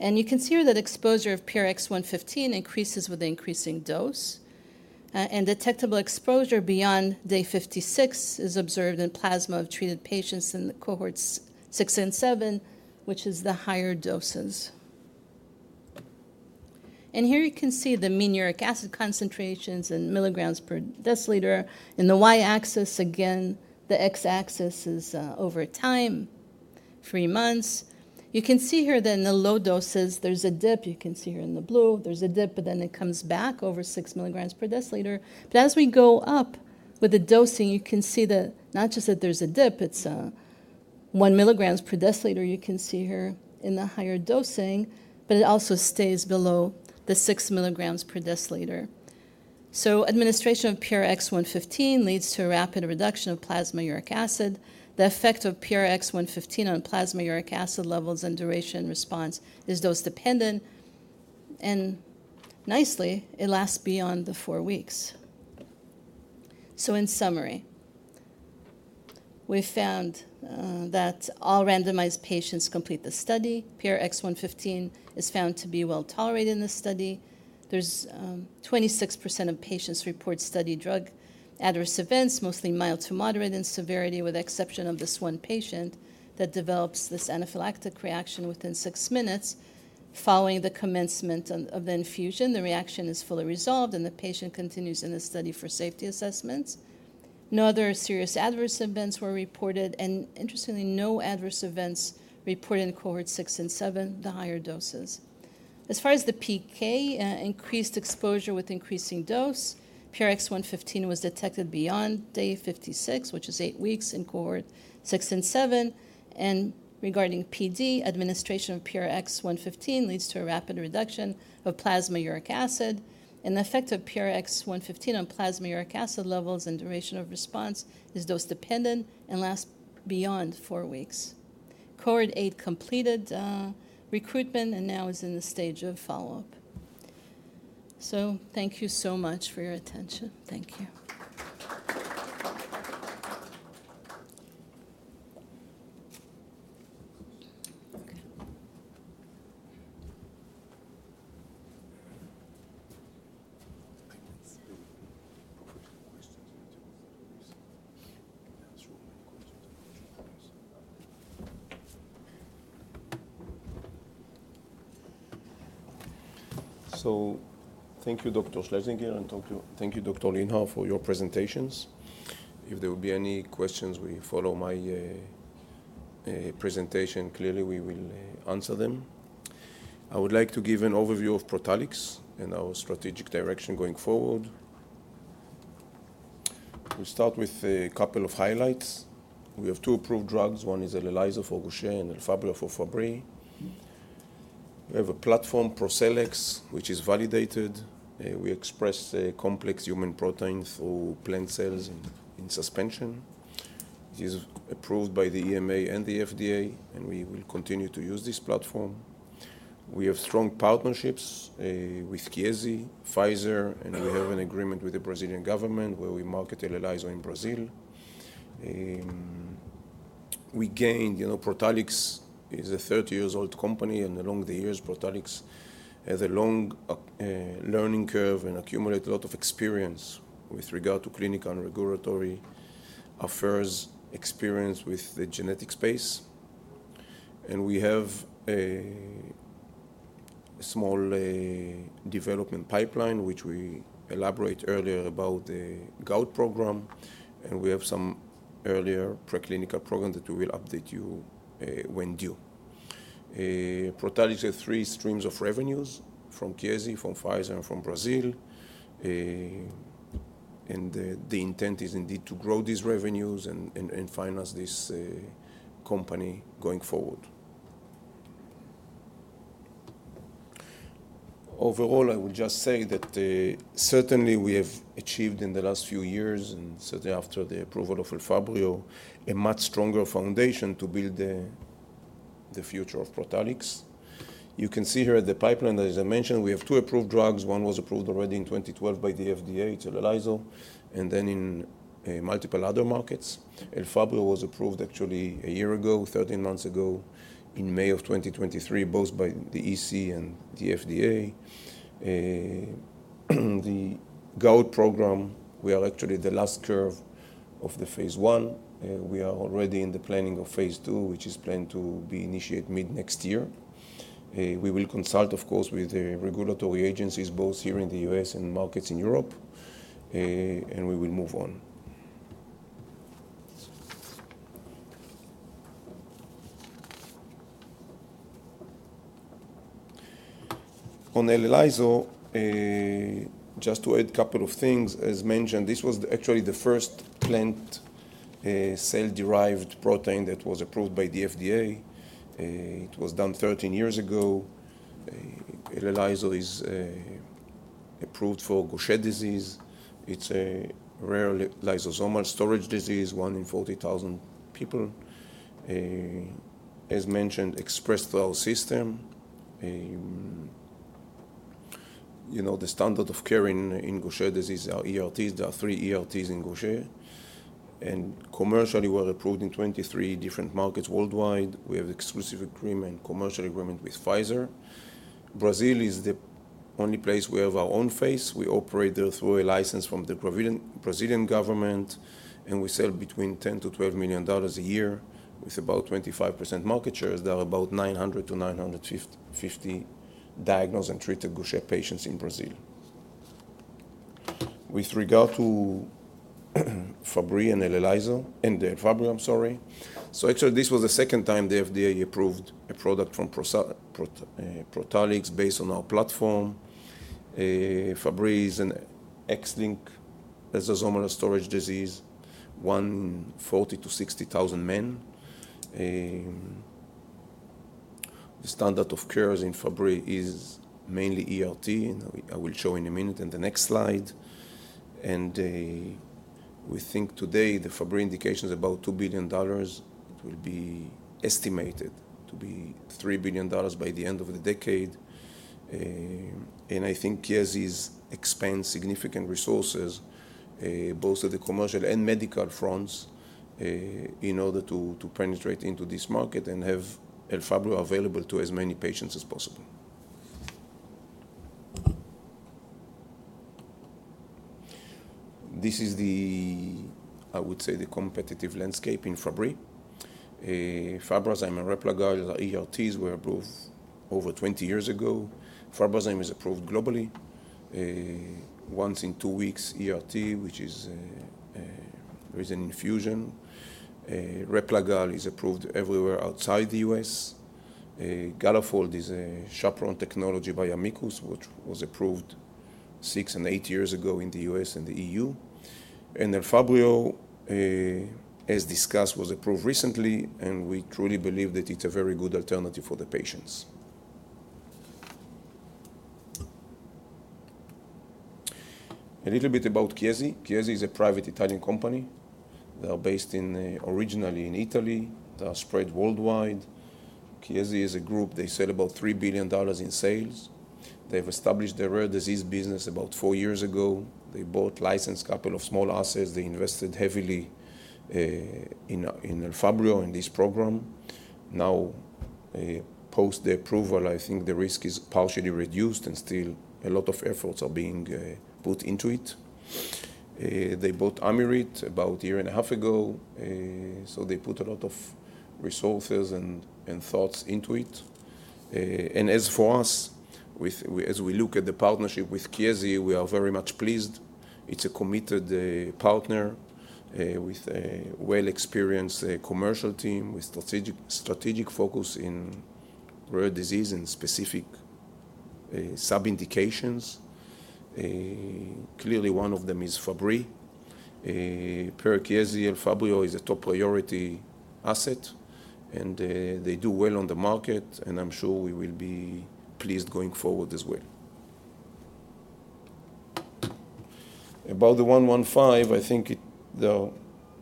You can see here that exposure of PRX-115 increases with increasing dose. Detectable exposure beyond day 56 is observed in plasma of treated patients in the cohorts 6 and 7, which is the higher doses. Here you can see the mean uric acid concentrations in milligrams per deciliter. In the y-axis, again, the x-axis is over time, three months. You can see here that in the low doses, there's a dip. You can see here in the blue, there's a dip. But then it comes back over 6 milligrams per deciliter. But as we go up with the dosing, you can see that not just that there's a dip, it's 1 milligrams per deciliter. You can see here in the higher dosing. But it also stays below the 6 milligrams per deciliter. So administration of PRX-115 leads to a rapid reduction of plasma uric acid. The effect of PRX-115 on plasma uric acid levels and duration response is dose-dependent. Nicely, it lasts beyond the 4 weeks. In summary, we found that all randomized patients complete the study. PRX-115 is found to be well tolerated in this study. There's 26% of patients report study drug adverse events, mostly mild to moderate in severity, with the exception of this 1 patient that develops this anaphylactic reaction within 6 minutes. Following the commencement of the infusion, the reaction is fully resolved. The patient continues in the study for safety assessments. No other serious adverse events were reported. Interestingly, no adverse events reported in cohorts 6 and 7, the higher doses. As far as the PK, increased exposure with increasing dose, PRX-115 was detected beyond day 56, which is 8 weeks in cohort 6 and 7. Regarding PD, administration of PRX-115 leads to a rapid reduction of plasma uric acid. The effect of PRX-115 on plasma uric acid levels and duration of response is dose-dependent and lasts beyond four weeks. Cohort 8 completed recruitment and now is in the stage of follow-up. So thank you so much for your attention. Thank you. So thank you, Dr. Schlesinger, and thank you, Dr. Linhart, for your presentations. If there will be any questions, we follow my presentation. Clearly, we will answer them. I would like to give an overview of Protalix and our strategic direction going forward. We'll start with a couple of highlights. We have two approved drugs. One is ELELYSO for Gaucher and Elfabrio for Fabry. We have a platform, ProCellEx, which is validated. We express complex human proteins through plant cells in suspension. It is approved by the EMA and the FDA. We will continue to use this platform. We have strong partnerships with Chiesi, Pfizer. We have an agreement with the Brazilian government where we market ELELYSO in Brazil. Protalix is a 30-year-old company. Along the years, Protalix had a long learning curve and accumulated a lot of experience with regard to clinical and regulatory affairs, experience with the genetic space. We have a small development pipeline, which we elaborated earlier about the gout program. We have some earlier preclinical programs that we will update you when due. Protalix has three streams of revenues from Chiesi, from Pfizer, and from Brazil. The intent is indeed to grow these revenues and finance this company going forward. Overall, I will just say that certainly we have achieved in the last few years, and certainly after the approval of Elfabrio, a much stronger foundation to build the future of Protalix. You can see here at the pipeline, as I mentioned, we have two approved drugs. One was approved already in 2012 by the FDA; it's ELELYSO. And then in multiple other markets, Elfabrio was approved actually a year ago, 13 months ago, in May of 2023, both by the EC and the FDA. The gout program, we are actually at the last curve of the phase I. We are already in the planning of phase II, which is planned to be initiated mid next year. We will consult, of course, with the regulatory agencies, both here in the U.S. and markets in Europe. We will move on. On ELELYSO, just to add a couple of things, as mentioned, this was actually the first plant cell-derived protein that was approved by the FDA. It was done 13 years ago. ELELYSO is approved for Gaucher disease. It's a rare lysosomal storage disease, one in 40,000 people. As mentioned, ProCellEx system. The standard of care in Gaucher disease are ERTs. There are three ERTs in Gaucher. And commercially, we're approved in 23 different markets worldwide. We have exclusive agreement, commercial agreement with Pfizer. Brazil is the only place we have our own sales force. We operate there through a license from the Brazilian government. And we sell between $10 million-$12 million a year with about 25% market share. There are about 900-950 diagnosed and treated Gaucher patients in Brazil. With regard to Fabry and ELELYSO and Elfabrio, I'm sorry. So actually, this was the second time the FDA approved a product from Protalix based on our platform. Fabry is an excellent lysosomal storage disease, one in 40,000-60,000 men. The standard of care in Fabry is mainly ERT. And I will show in a minute in the next slide. And we think today the Fabry indication is about $2 billion. It will be estimated to be $3 billion by the end of the decade. And I think Chiesi has expanded significant resources, both at the commercial and medical fronts, in order to penetrate into this market and have Elfabrio available to as many patients as possible. This is the, I would say, the competitive landscape in Fabry. Fabrazyme, Replagal, ERTs were approved over 20 years ago. Fabrazyme is approved globally. Once in two weeks, ERT, which is there is an infusion. Replagal is approved everywhere outside the U.S. Galafold is a chaperone technology by Amicus, which was approved 6 and 8 years ago in the U.S. and the EU. Elfabrio, as discussed, was approved recently. We truly believe that it's a very good alternative for the patients. A little bit about Chiesi. Chiesi is a private Italian company. They are based originally in Italy. They are spread worldwide. Chiesi is a group. They sell about $3 billion in sales. They have established their rare disease business about 4 years ago. They bought, licensed a couple of small assets. They invested heavily in Elfabrio and this program. Now, post the approval, I think the risk is partially reduced. Still, a lot of efforts are being put into it. They bought Amryt about a year and a half ago. So they put a lot of resources and thoughts into it. As for us, as we look at the partnership with Chiesi, we are very much pleased. It's a committed partner with a well-experienced commercial team with strategic focus in rare disease and specific sub-indications. Clearly, one of them is Fabry. Per Chiesi, Elfabrio is a top priority asset. They do well on the market. I'm sure we will be pleased going forward as well. About the 115, I think there are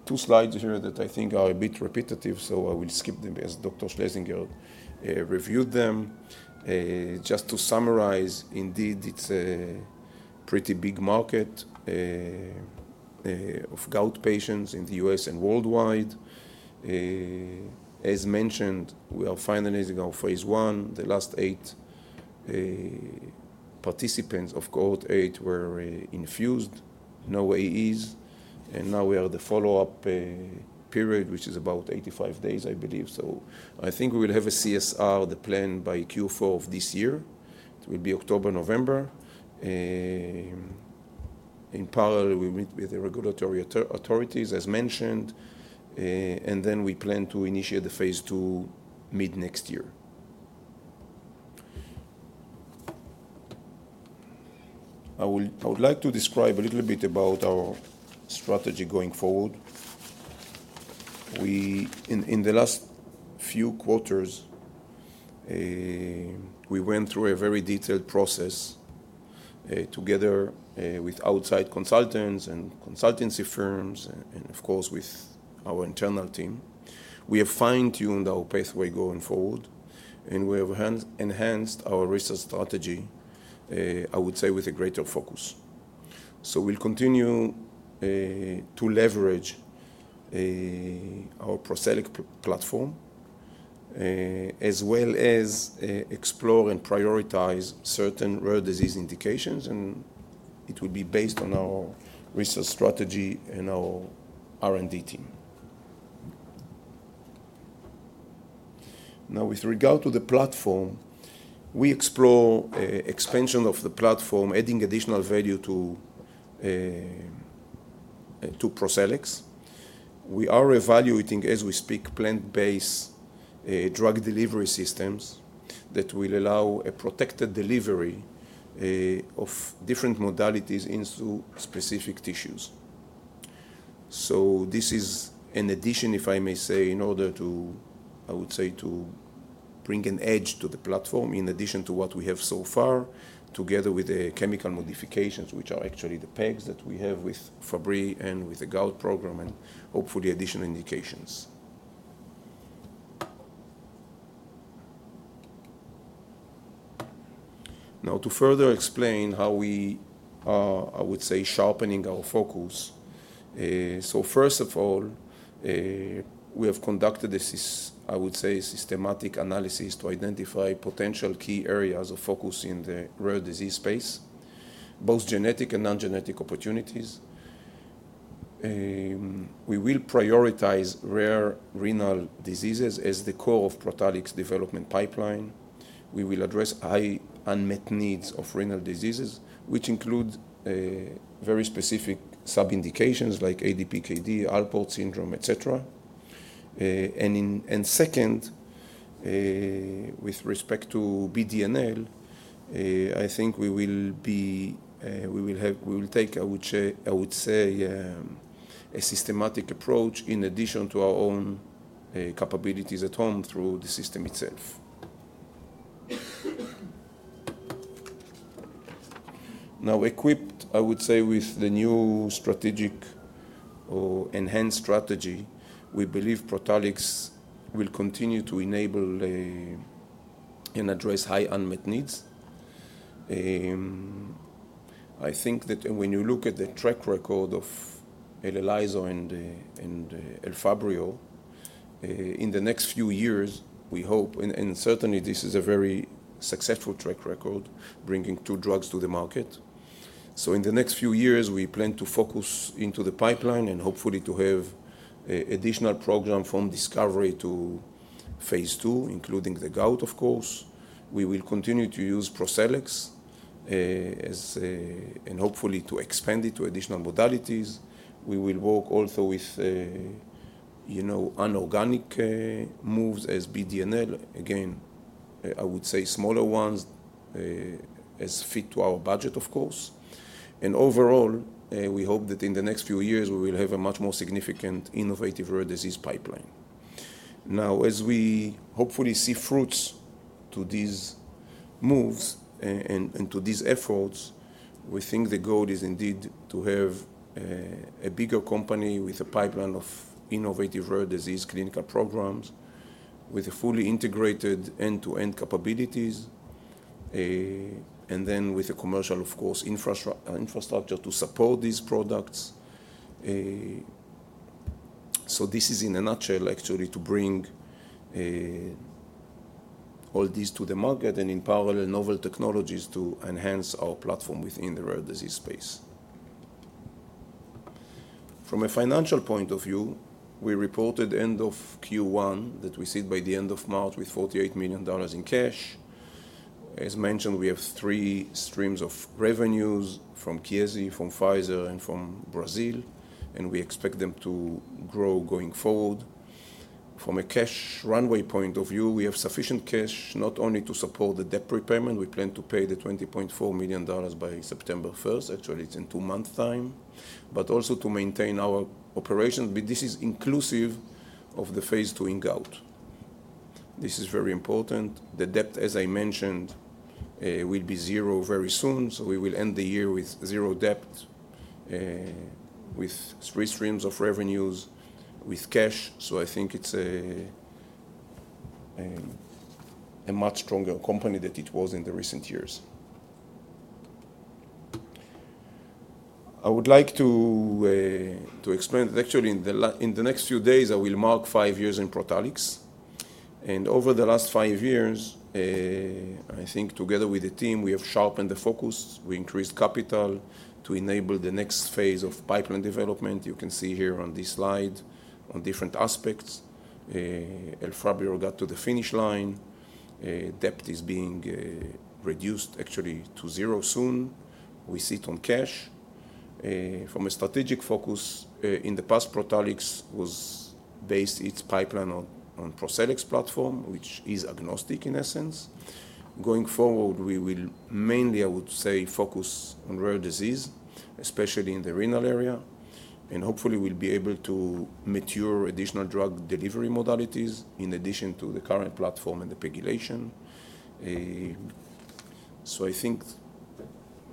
2 slides here that I think are a bit repetitive. I will skip them as Dr. Schlesinger reviewed them. Just to summarize, indeed, it's a pretty big market of gout patients in the U.S. and worldwide. As mentioned, we are finalizing our phase I. The last 8 participants of cohort 8 were infused. No AEs. Now we are at the follow-up period, which is about 85 days, I believe. So I think we will have a CSR, the plan by Q4 of this year. It will be October-November. In parallel, we meet with the regulatory authorities, as mentioned. And then we plan to initiate the phase II mid next year. I would like to describe a little bit about our strategy going forward. In the last few quarters, we went through a very detailed process together with outside consultants and consultancy firms and, of course, with our internal team. We have fine-tuned our pathway going forward. And we have enhanced our research strategy, I would say, with a greater focus. So we'll continue to leverage our ProCellEx platform, as well as explore and prioritize certain rare disease indications. And it will be based on our research strategy and our R&D team. Now, with regard to the platform, we explore expansion of the platform, adding additional value to ProCellEx. We are evaluating, as we speak, plant-based drug delivery systems that will allow a protected delivery of different modalities into specific tissues. So this is an addition, if I may say, in order to, I would say, to bring an edge to the platform in addition to what we have so far, together with the chemical modifications, which are actually the PEGs that we have with Fabry and with the gout program, and hopefully, additional indications. Now, to further explain how we are, I would say, sharpening our focus. So first of all, we have conducted, I would say, a systematic analysis to identify potential key areas of focus in the rare disease space, both genetic and non-genetic opportunities. We will prioritize rare renal diseases as the core of Protalix's development pipeline. We will address high unmet needs of renal diseases, which include very specific sub-indications like ADPKD, Alport syndrome, et cetera. Second, with respect to BD&L, I think we will take, I would say, a systematic approach in addition to our own capabilities at home through the system itself. Now, equipped, I would say, with the new strategic or enhanced strategy, we believe Protalix will continue to enable and address high unmet needs. I think that when you look at the track record of ELELYSO and Elfabrio, in the next few years, we hope, and certainly, this is a very successful track record, bringing two drugs to the market. In the next few years, we plan to focus into the pipeline and hopefully to have an additional program from discovery to phase II, including the gout, of course. We will continue to use ProCellEx and hopefully to expand it to additional modalities. We will work also with inorganic moves as M&A. Again, I would say smaller ones as fit to our budget, of course. And overall, we hope that in the next few years, we will have a much more significant innovative rare disease pipeline. Now, as we hopefully see fruits to these moves and to these efforts, we think the goal is indeed to have a bigger company with a pipeline of innovative rare disease clinical programs with fully integrated end-to-end capabilities and then with a commercial, of course, infrastructure to support these products. So this is, in a nutshell, actually to bring all these to the market and, in parallel, novel technologies to enhance our platform within the rare disease space. From a financial point of view, we reported end of Q1 that we see by the end of March with $48 million in cash. As mentioned, we have three streams of revenues from Chiesi, from Pfizer, and from Brazil. We expect them to grow going forward. From a cash runway point of view, we have sufficient cash not only to support the debt repayment. We plan to pay the $20.4 million by September 1st. Actually, it's in two months' time, but also to maintain our operations. But this is inclusive of the phase II in gout. This is very important. The debt, as I mentioned, will be zero very soon. So we will end the year with zero debt, with three streams of revenues, with cash. So I think it's a much stronger company than it was in the recent years. I would like to explain that actually, in the next few days, I will mark five years in Protalix. Over the last five years, I think together with the team, we have sharpened the focus. We increased capital to enable the next phase of pipeline development. You can see here on this slide on different aspects. Elfabrio got to the finish line. Debt is being reduced, actually, to zero soon. We sit on cash. From a strategic focus, in the past, Protalix was based its pipeline on ProCellEx's platform, which is agnostic in essence. Going forward, we will mainly, I would say, focus on rare disease, especially in the renal area. And hopefully, we'll be able to mature additional drug delivery modalities in addition to the current platform and the PEGylation. So I think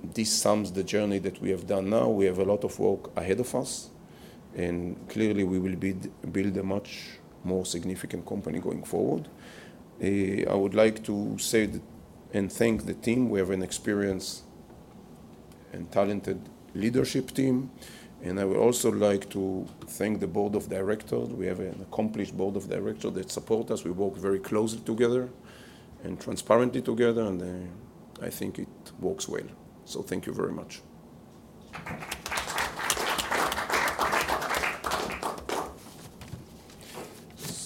this sums the journey that we have done now. We have a lot of work ahead of us. Clearly, we will build a much more significant company going forward. I would like to say and thank the team. We have an experienced and talented leadership team. I would also like to thank the board of directors. We have an accomplished board of directors that support us. We work very closely together and transparently together. I think it works well. So thank you very much.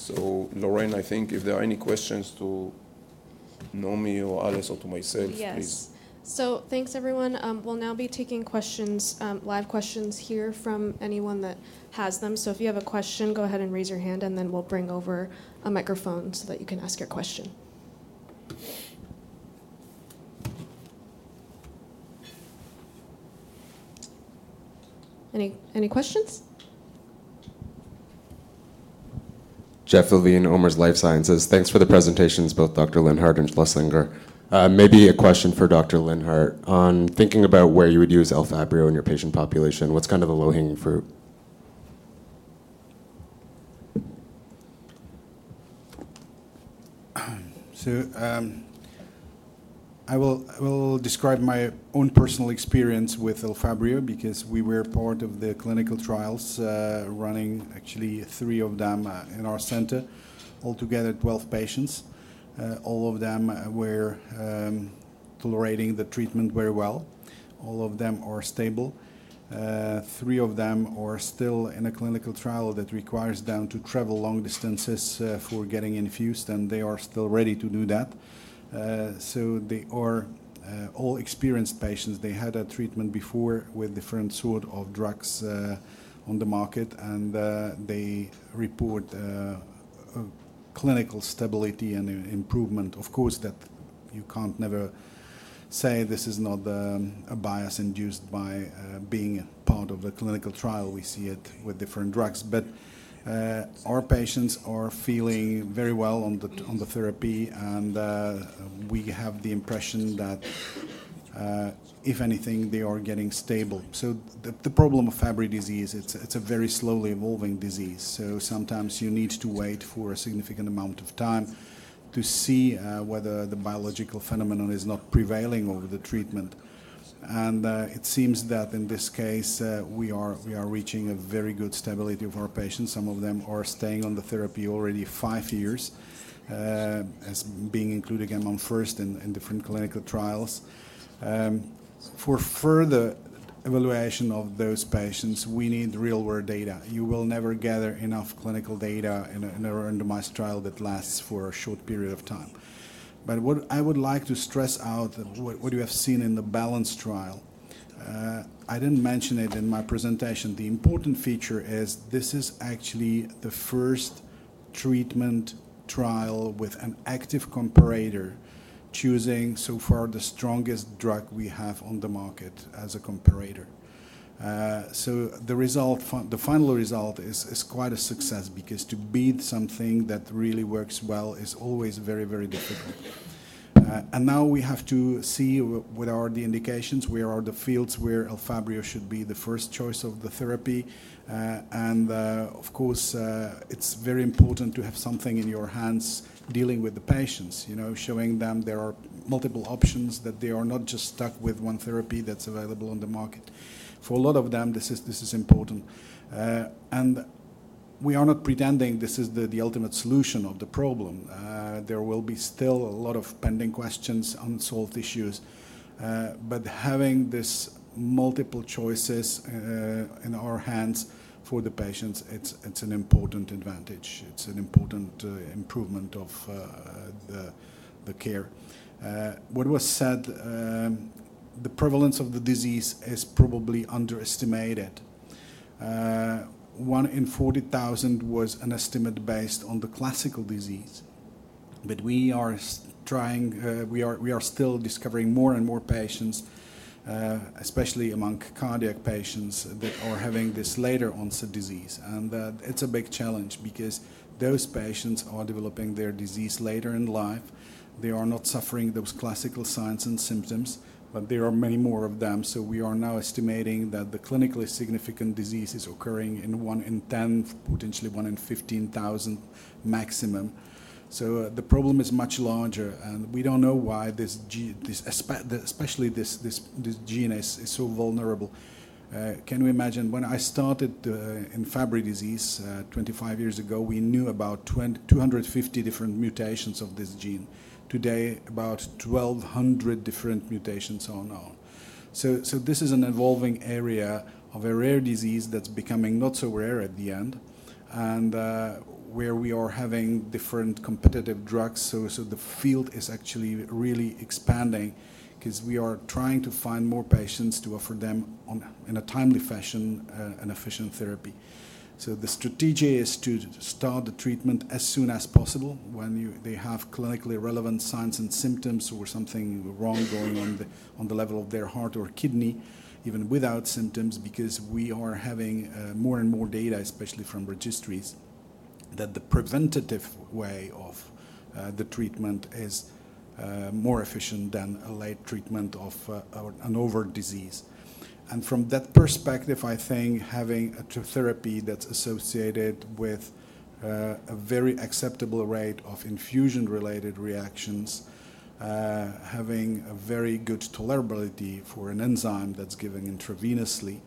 So Lorraine, I think if there are any questions to Naomi or Aleš or to myself, please. Yes. So thanks, everyone. We'll now be taking live questions here from anyone that has them. If you have a question, go ahead and raise your hand. Then we'll bring over a microphone so that you can ask your question. Any questions? Jeff Levine, OMERS Life Sciences. Thanks for the presentations, both Dr. Linhart and Schlesinger. Maybe a question for Dr. Linhart. On thinking about where you would use Elfabrio in your patient population, what's kind of the low-hanging fruit? So I will describe my own personal experience with Elfabrio because we were part of the clinical trials running, actually, three of them in our center, altogether 12 patients. All of them were tolerating the treatment very well. All of them are stable. Three of them are still in a clinical trial that requires them to travel long distances for getting infused. And they are still ready to do that. So they are all experienced patients. They had a treatment before with different sorts of drugs on the market. And they report clinical stability and improvement. Of course, you can't never say this is not a bias induced by being part of the clinical trial. We see it with different drugs. Our patients are feeling very well on the therapy. We have the impression that, if anything, they are getting stable. The problem of Fabry disease, it's a very slowly evolving disease. Sometimes you need to wait for a significant amount of time to see whether the biological phenomenon is not prevailing over the treatment. It seems that in this case, we are reaching a very good stability of our patients. Some of them are staying on the therapy already five years, being included among first in different clinical trials. For further evaluation of those patients, we need real-world data. You will never gather enough clinical data in a randomized trial that lasts for a short period of time. What I would like to stress out, what you have seen in the BALANCE trial, I didn't mention it in my presentation. The important feature is this is actually the first treatment trial with an active comparator, choosing so far the strongest drug we have on the market as a comparator. So the final result is quite a success because to beat something that really works well is always very, very difficult. And now we have to see what are the indications, where are the fields where Elfabrio should be the first choice of the therapy. And of course, it's very important to have something in your hands dealing with the patients, showing them there are multiple options, that they are not just stuck with one therapy that's available on the market. For a lot of them, this is important. And we are not pretending this is the ultimate solution of the problem. There will be still a lot of pending questions, unsolved issues. Having these multiple choices in our hands for the patients, it's an important advantage. It's an important improvement of the care. What was said, the prevalence of the disease is probably underestimated. One in 40,000 was an estimate based on the classical disease. We are trying; we are still discovering more and more patients, especially among cardiac patients that are having this later-onset disease. It's a big challenge because those patients are developing their disease later in life. They are not suffering those classical signs and symptoms, but there are many more of them. We are now estimating that the clinically significant disease is occurring in one in 10, potentially one in 15,000 maximum. The problem is much larger. We don't know why this, especially this gene, is so vulnerable. Can you imagine when I started in Fabry disease 25 years ago, we knew about 250 different mutations of this gene. Today, about 1,200 different mutations on our own. So this is an evolving area of a rare disease that's becoming not so rare at the end, and where we are having different competitive drugs. So the field is actually really expanding because we are trying to find more patients to offer them in a timely fashion an efficient therapy. So the strategy is to start the treatment as soon as possible when they have clinically relevant signs and symptoms or something wrong going on on the level of their heart or kidney, even without symptoms, because we are having more and more data, especially from registries, that the preventative way of the treatment is more efficient than a late treatment of an overt disease. From that perspective, I think having a therapy that's associated with a very acceptable rate of infusion-related reactions, having a very good tolerability for an enzyme that's given intravenously,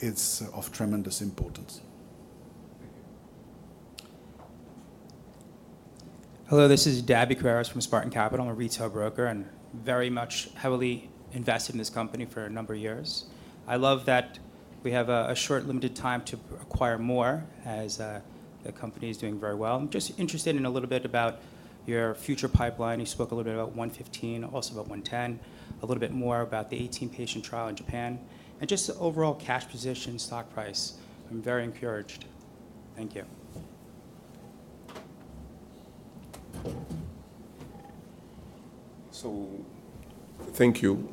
it's of tremendous importance. Thank you. Hello. This is Daby Carreras from Spartan Capital, a retail broker, and very much heavily invested in this company for a number of years. I love that we have a short limited time to acquire more as the company is doing very well. I'm just interested in a little bit about your future pipeline. You spoke a little bit about 115, also about 110, a little bit more about the 18-patient trial in Japan. And just the overall cash position, stock price. I'm very encouraged. Thank you. Thank you.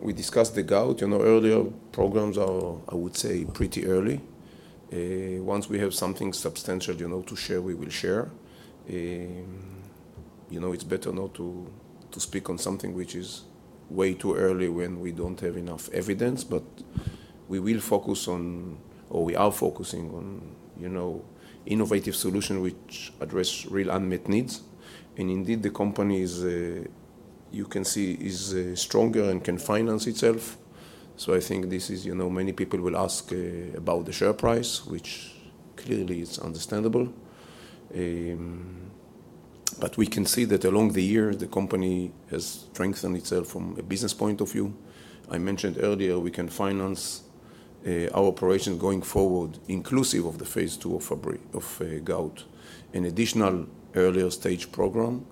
We discussed the gout. Earlier programs are, I would say, pretty early. Once we have something substantial to share, we will share. It's better not to speak on something which is way too early when we don't have enough evidence. But we will focus on, or we are focusing on, innovative solutions which address real unmet needs. And indeed, the company, as you can see, is stronger and can finance itself. So I think this is many people will ask about the share price, which clearly is understandable. But we can see that along the years, the company has strengthened itself from a business point of view. I mentioned earlier, we can finance our operations going forward, inclusive of the phase II of gout, an additional earlier stage program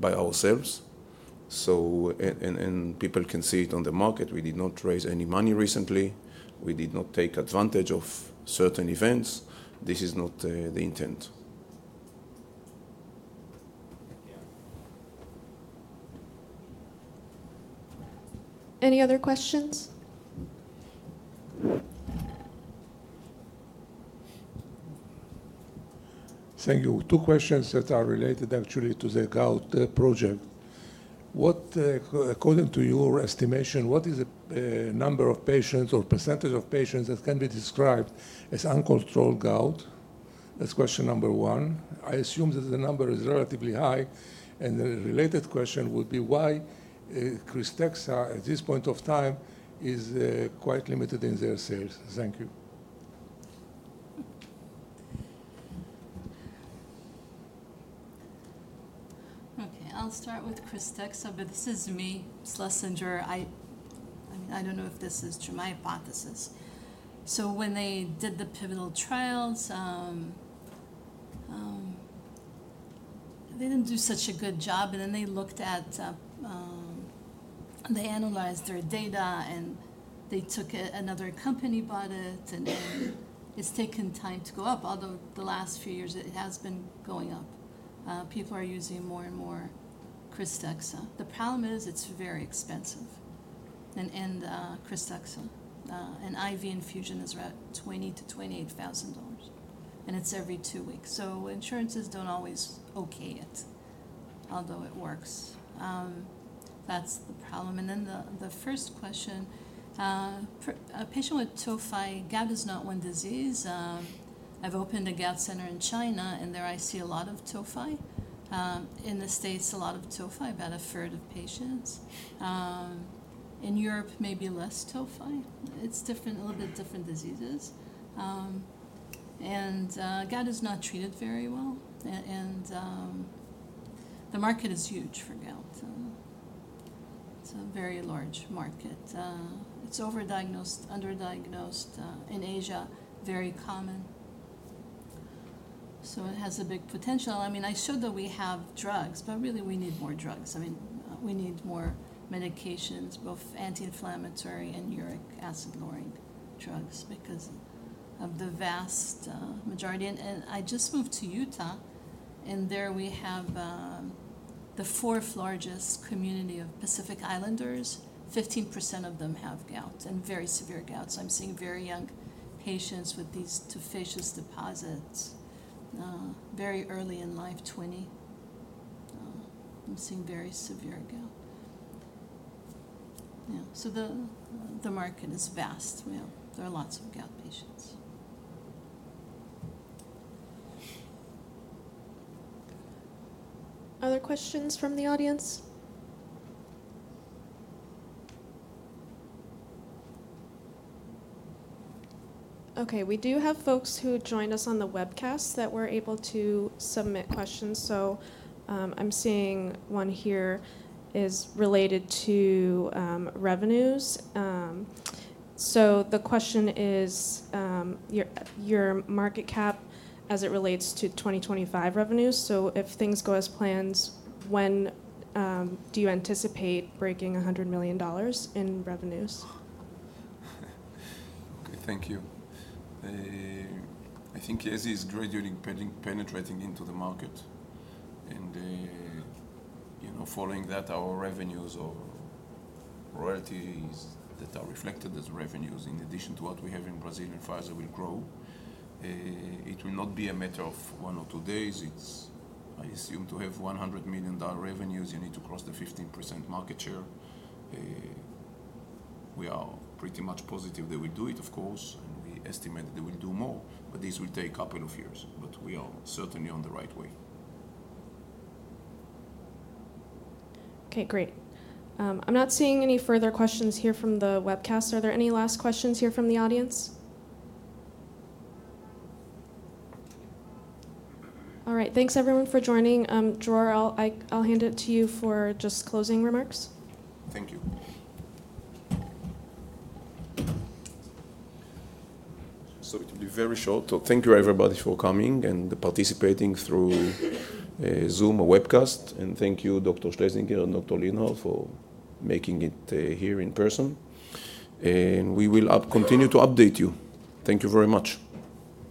by ourselves. And people can see it on the market. We did not raise any money recently. We did not take advantage of certain events. This is not the intent. Any other questions? Thank you. Two questions that are related actually to the gout project. According to your estimation, what is the number of patients or percentage of patients that can be described as uncontrolled gout? That's question number one. I assume that the number is relatively high. And the related question would be, why KRYSTEXXA, at this point of time, is quite limited in their sales? Thank you. Okay. I'll start with KRYSTEXXA, but this is me, Schlesinger. I don't know if this is true. My hypothesis. So when they did the pivotal trials, they didn't do such a good job. And then they analyzed their data, and then another company bought it. And it's taken time to go up. Although the last few years, it has been going up. People are using more and more KRYSTEXXA. The problem is it's very expensive to use KRYSTEXXA. An IV infusion is around $20,000-$28,000. It's every two weeks. Insurances don't always okay it, although it works. That's the problem. Then the first question, a patient with tophi, gout is not one disease. I've opened a gout center in China, and there I see a lot of tophi. In the States, a lot of tophi, about a third of patients. In Europe, maybe less tophi. It's a little bit different diseases. Gout is not treated very well. The market is huge for gout. It's a very large market. It's overdiagnosed, underdiagnosed. In Asia, very common. It has a big potential. I mean, I showed that we have drugs, but really, we need more drugs. I mean, we need more medications, both anti-inflammatory and uric acid-lowering drugs because of the vast majority. I just moved to Utah. There we have the fourth largest community of Pacific Islanders. 15% of them have gout and very severe gout. So I'm seeing very young patients with these tophaceous deposits, very early in life, 20. I'm seeing very severe gout. Yeah. So the market is vast. There are lots of gout patients. Other questions from the audience? Okay. We do have folks who joined us on the webcast that were able to submit questions. So I'm seeing one here is related to revenues. So the question is your market cap as it relates to 2025 revenues. So if things go as planned, when do you anticipate breaking $100 million in revenues? Okay. Thank you. I think ELELYSO is gradually penetrating into the market. And following that, our revenues or royalties that are reflected as revenues, in addition to what we have in Brazil and Pfizer, will grow. It will not be a matter of one or two days. I assume to have $100 million revenues, you need to cross the 15% market share. We are pretty much positive they will do it, of course. And we estimate they will do more. But this will take a couple of years. But we are certainly on the right way. Okay. Great. I'm not seeing any further questions here from the webcast. Are there any last questions here from the audience? All right. Thanks, everyone, for joining. Dror, I'll hand it to you for just closing remarks. Thank you. So it will be very short. So thank you, everybody, for coming and participating through Zoom or webcast. And thank you, Dr. Schlesinger and Dr. Linhart, for making it here in person. And we will continue to update you. Thank you very much.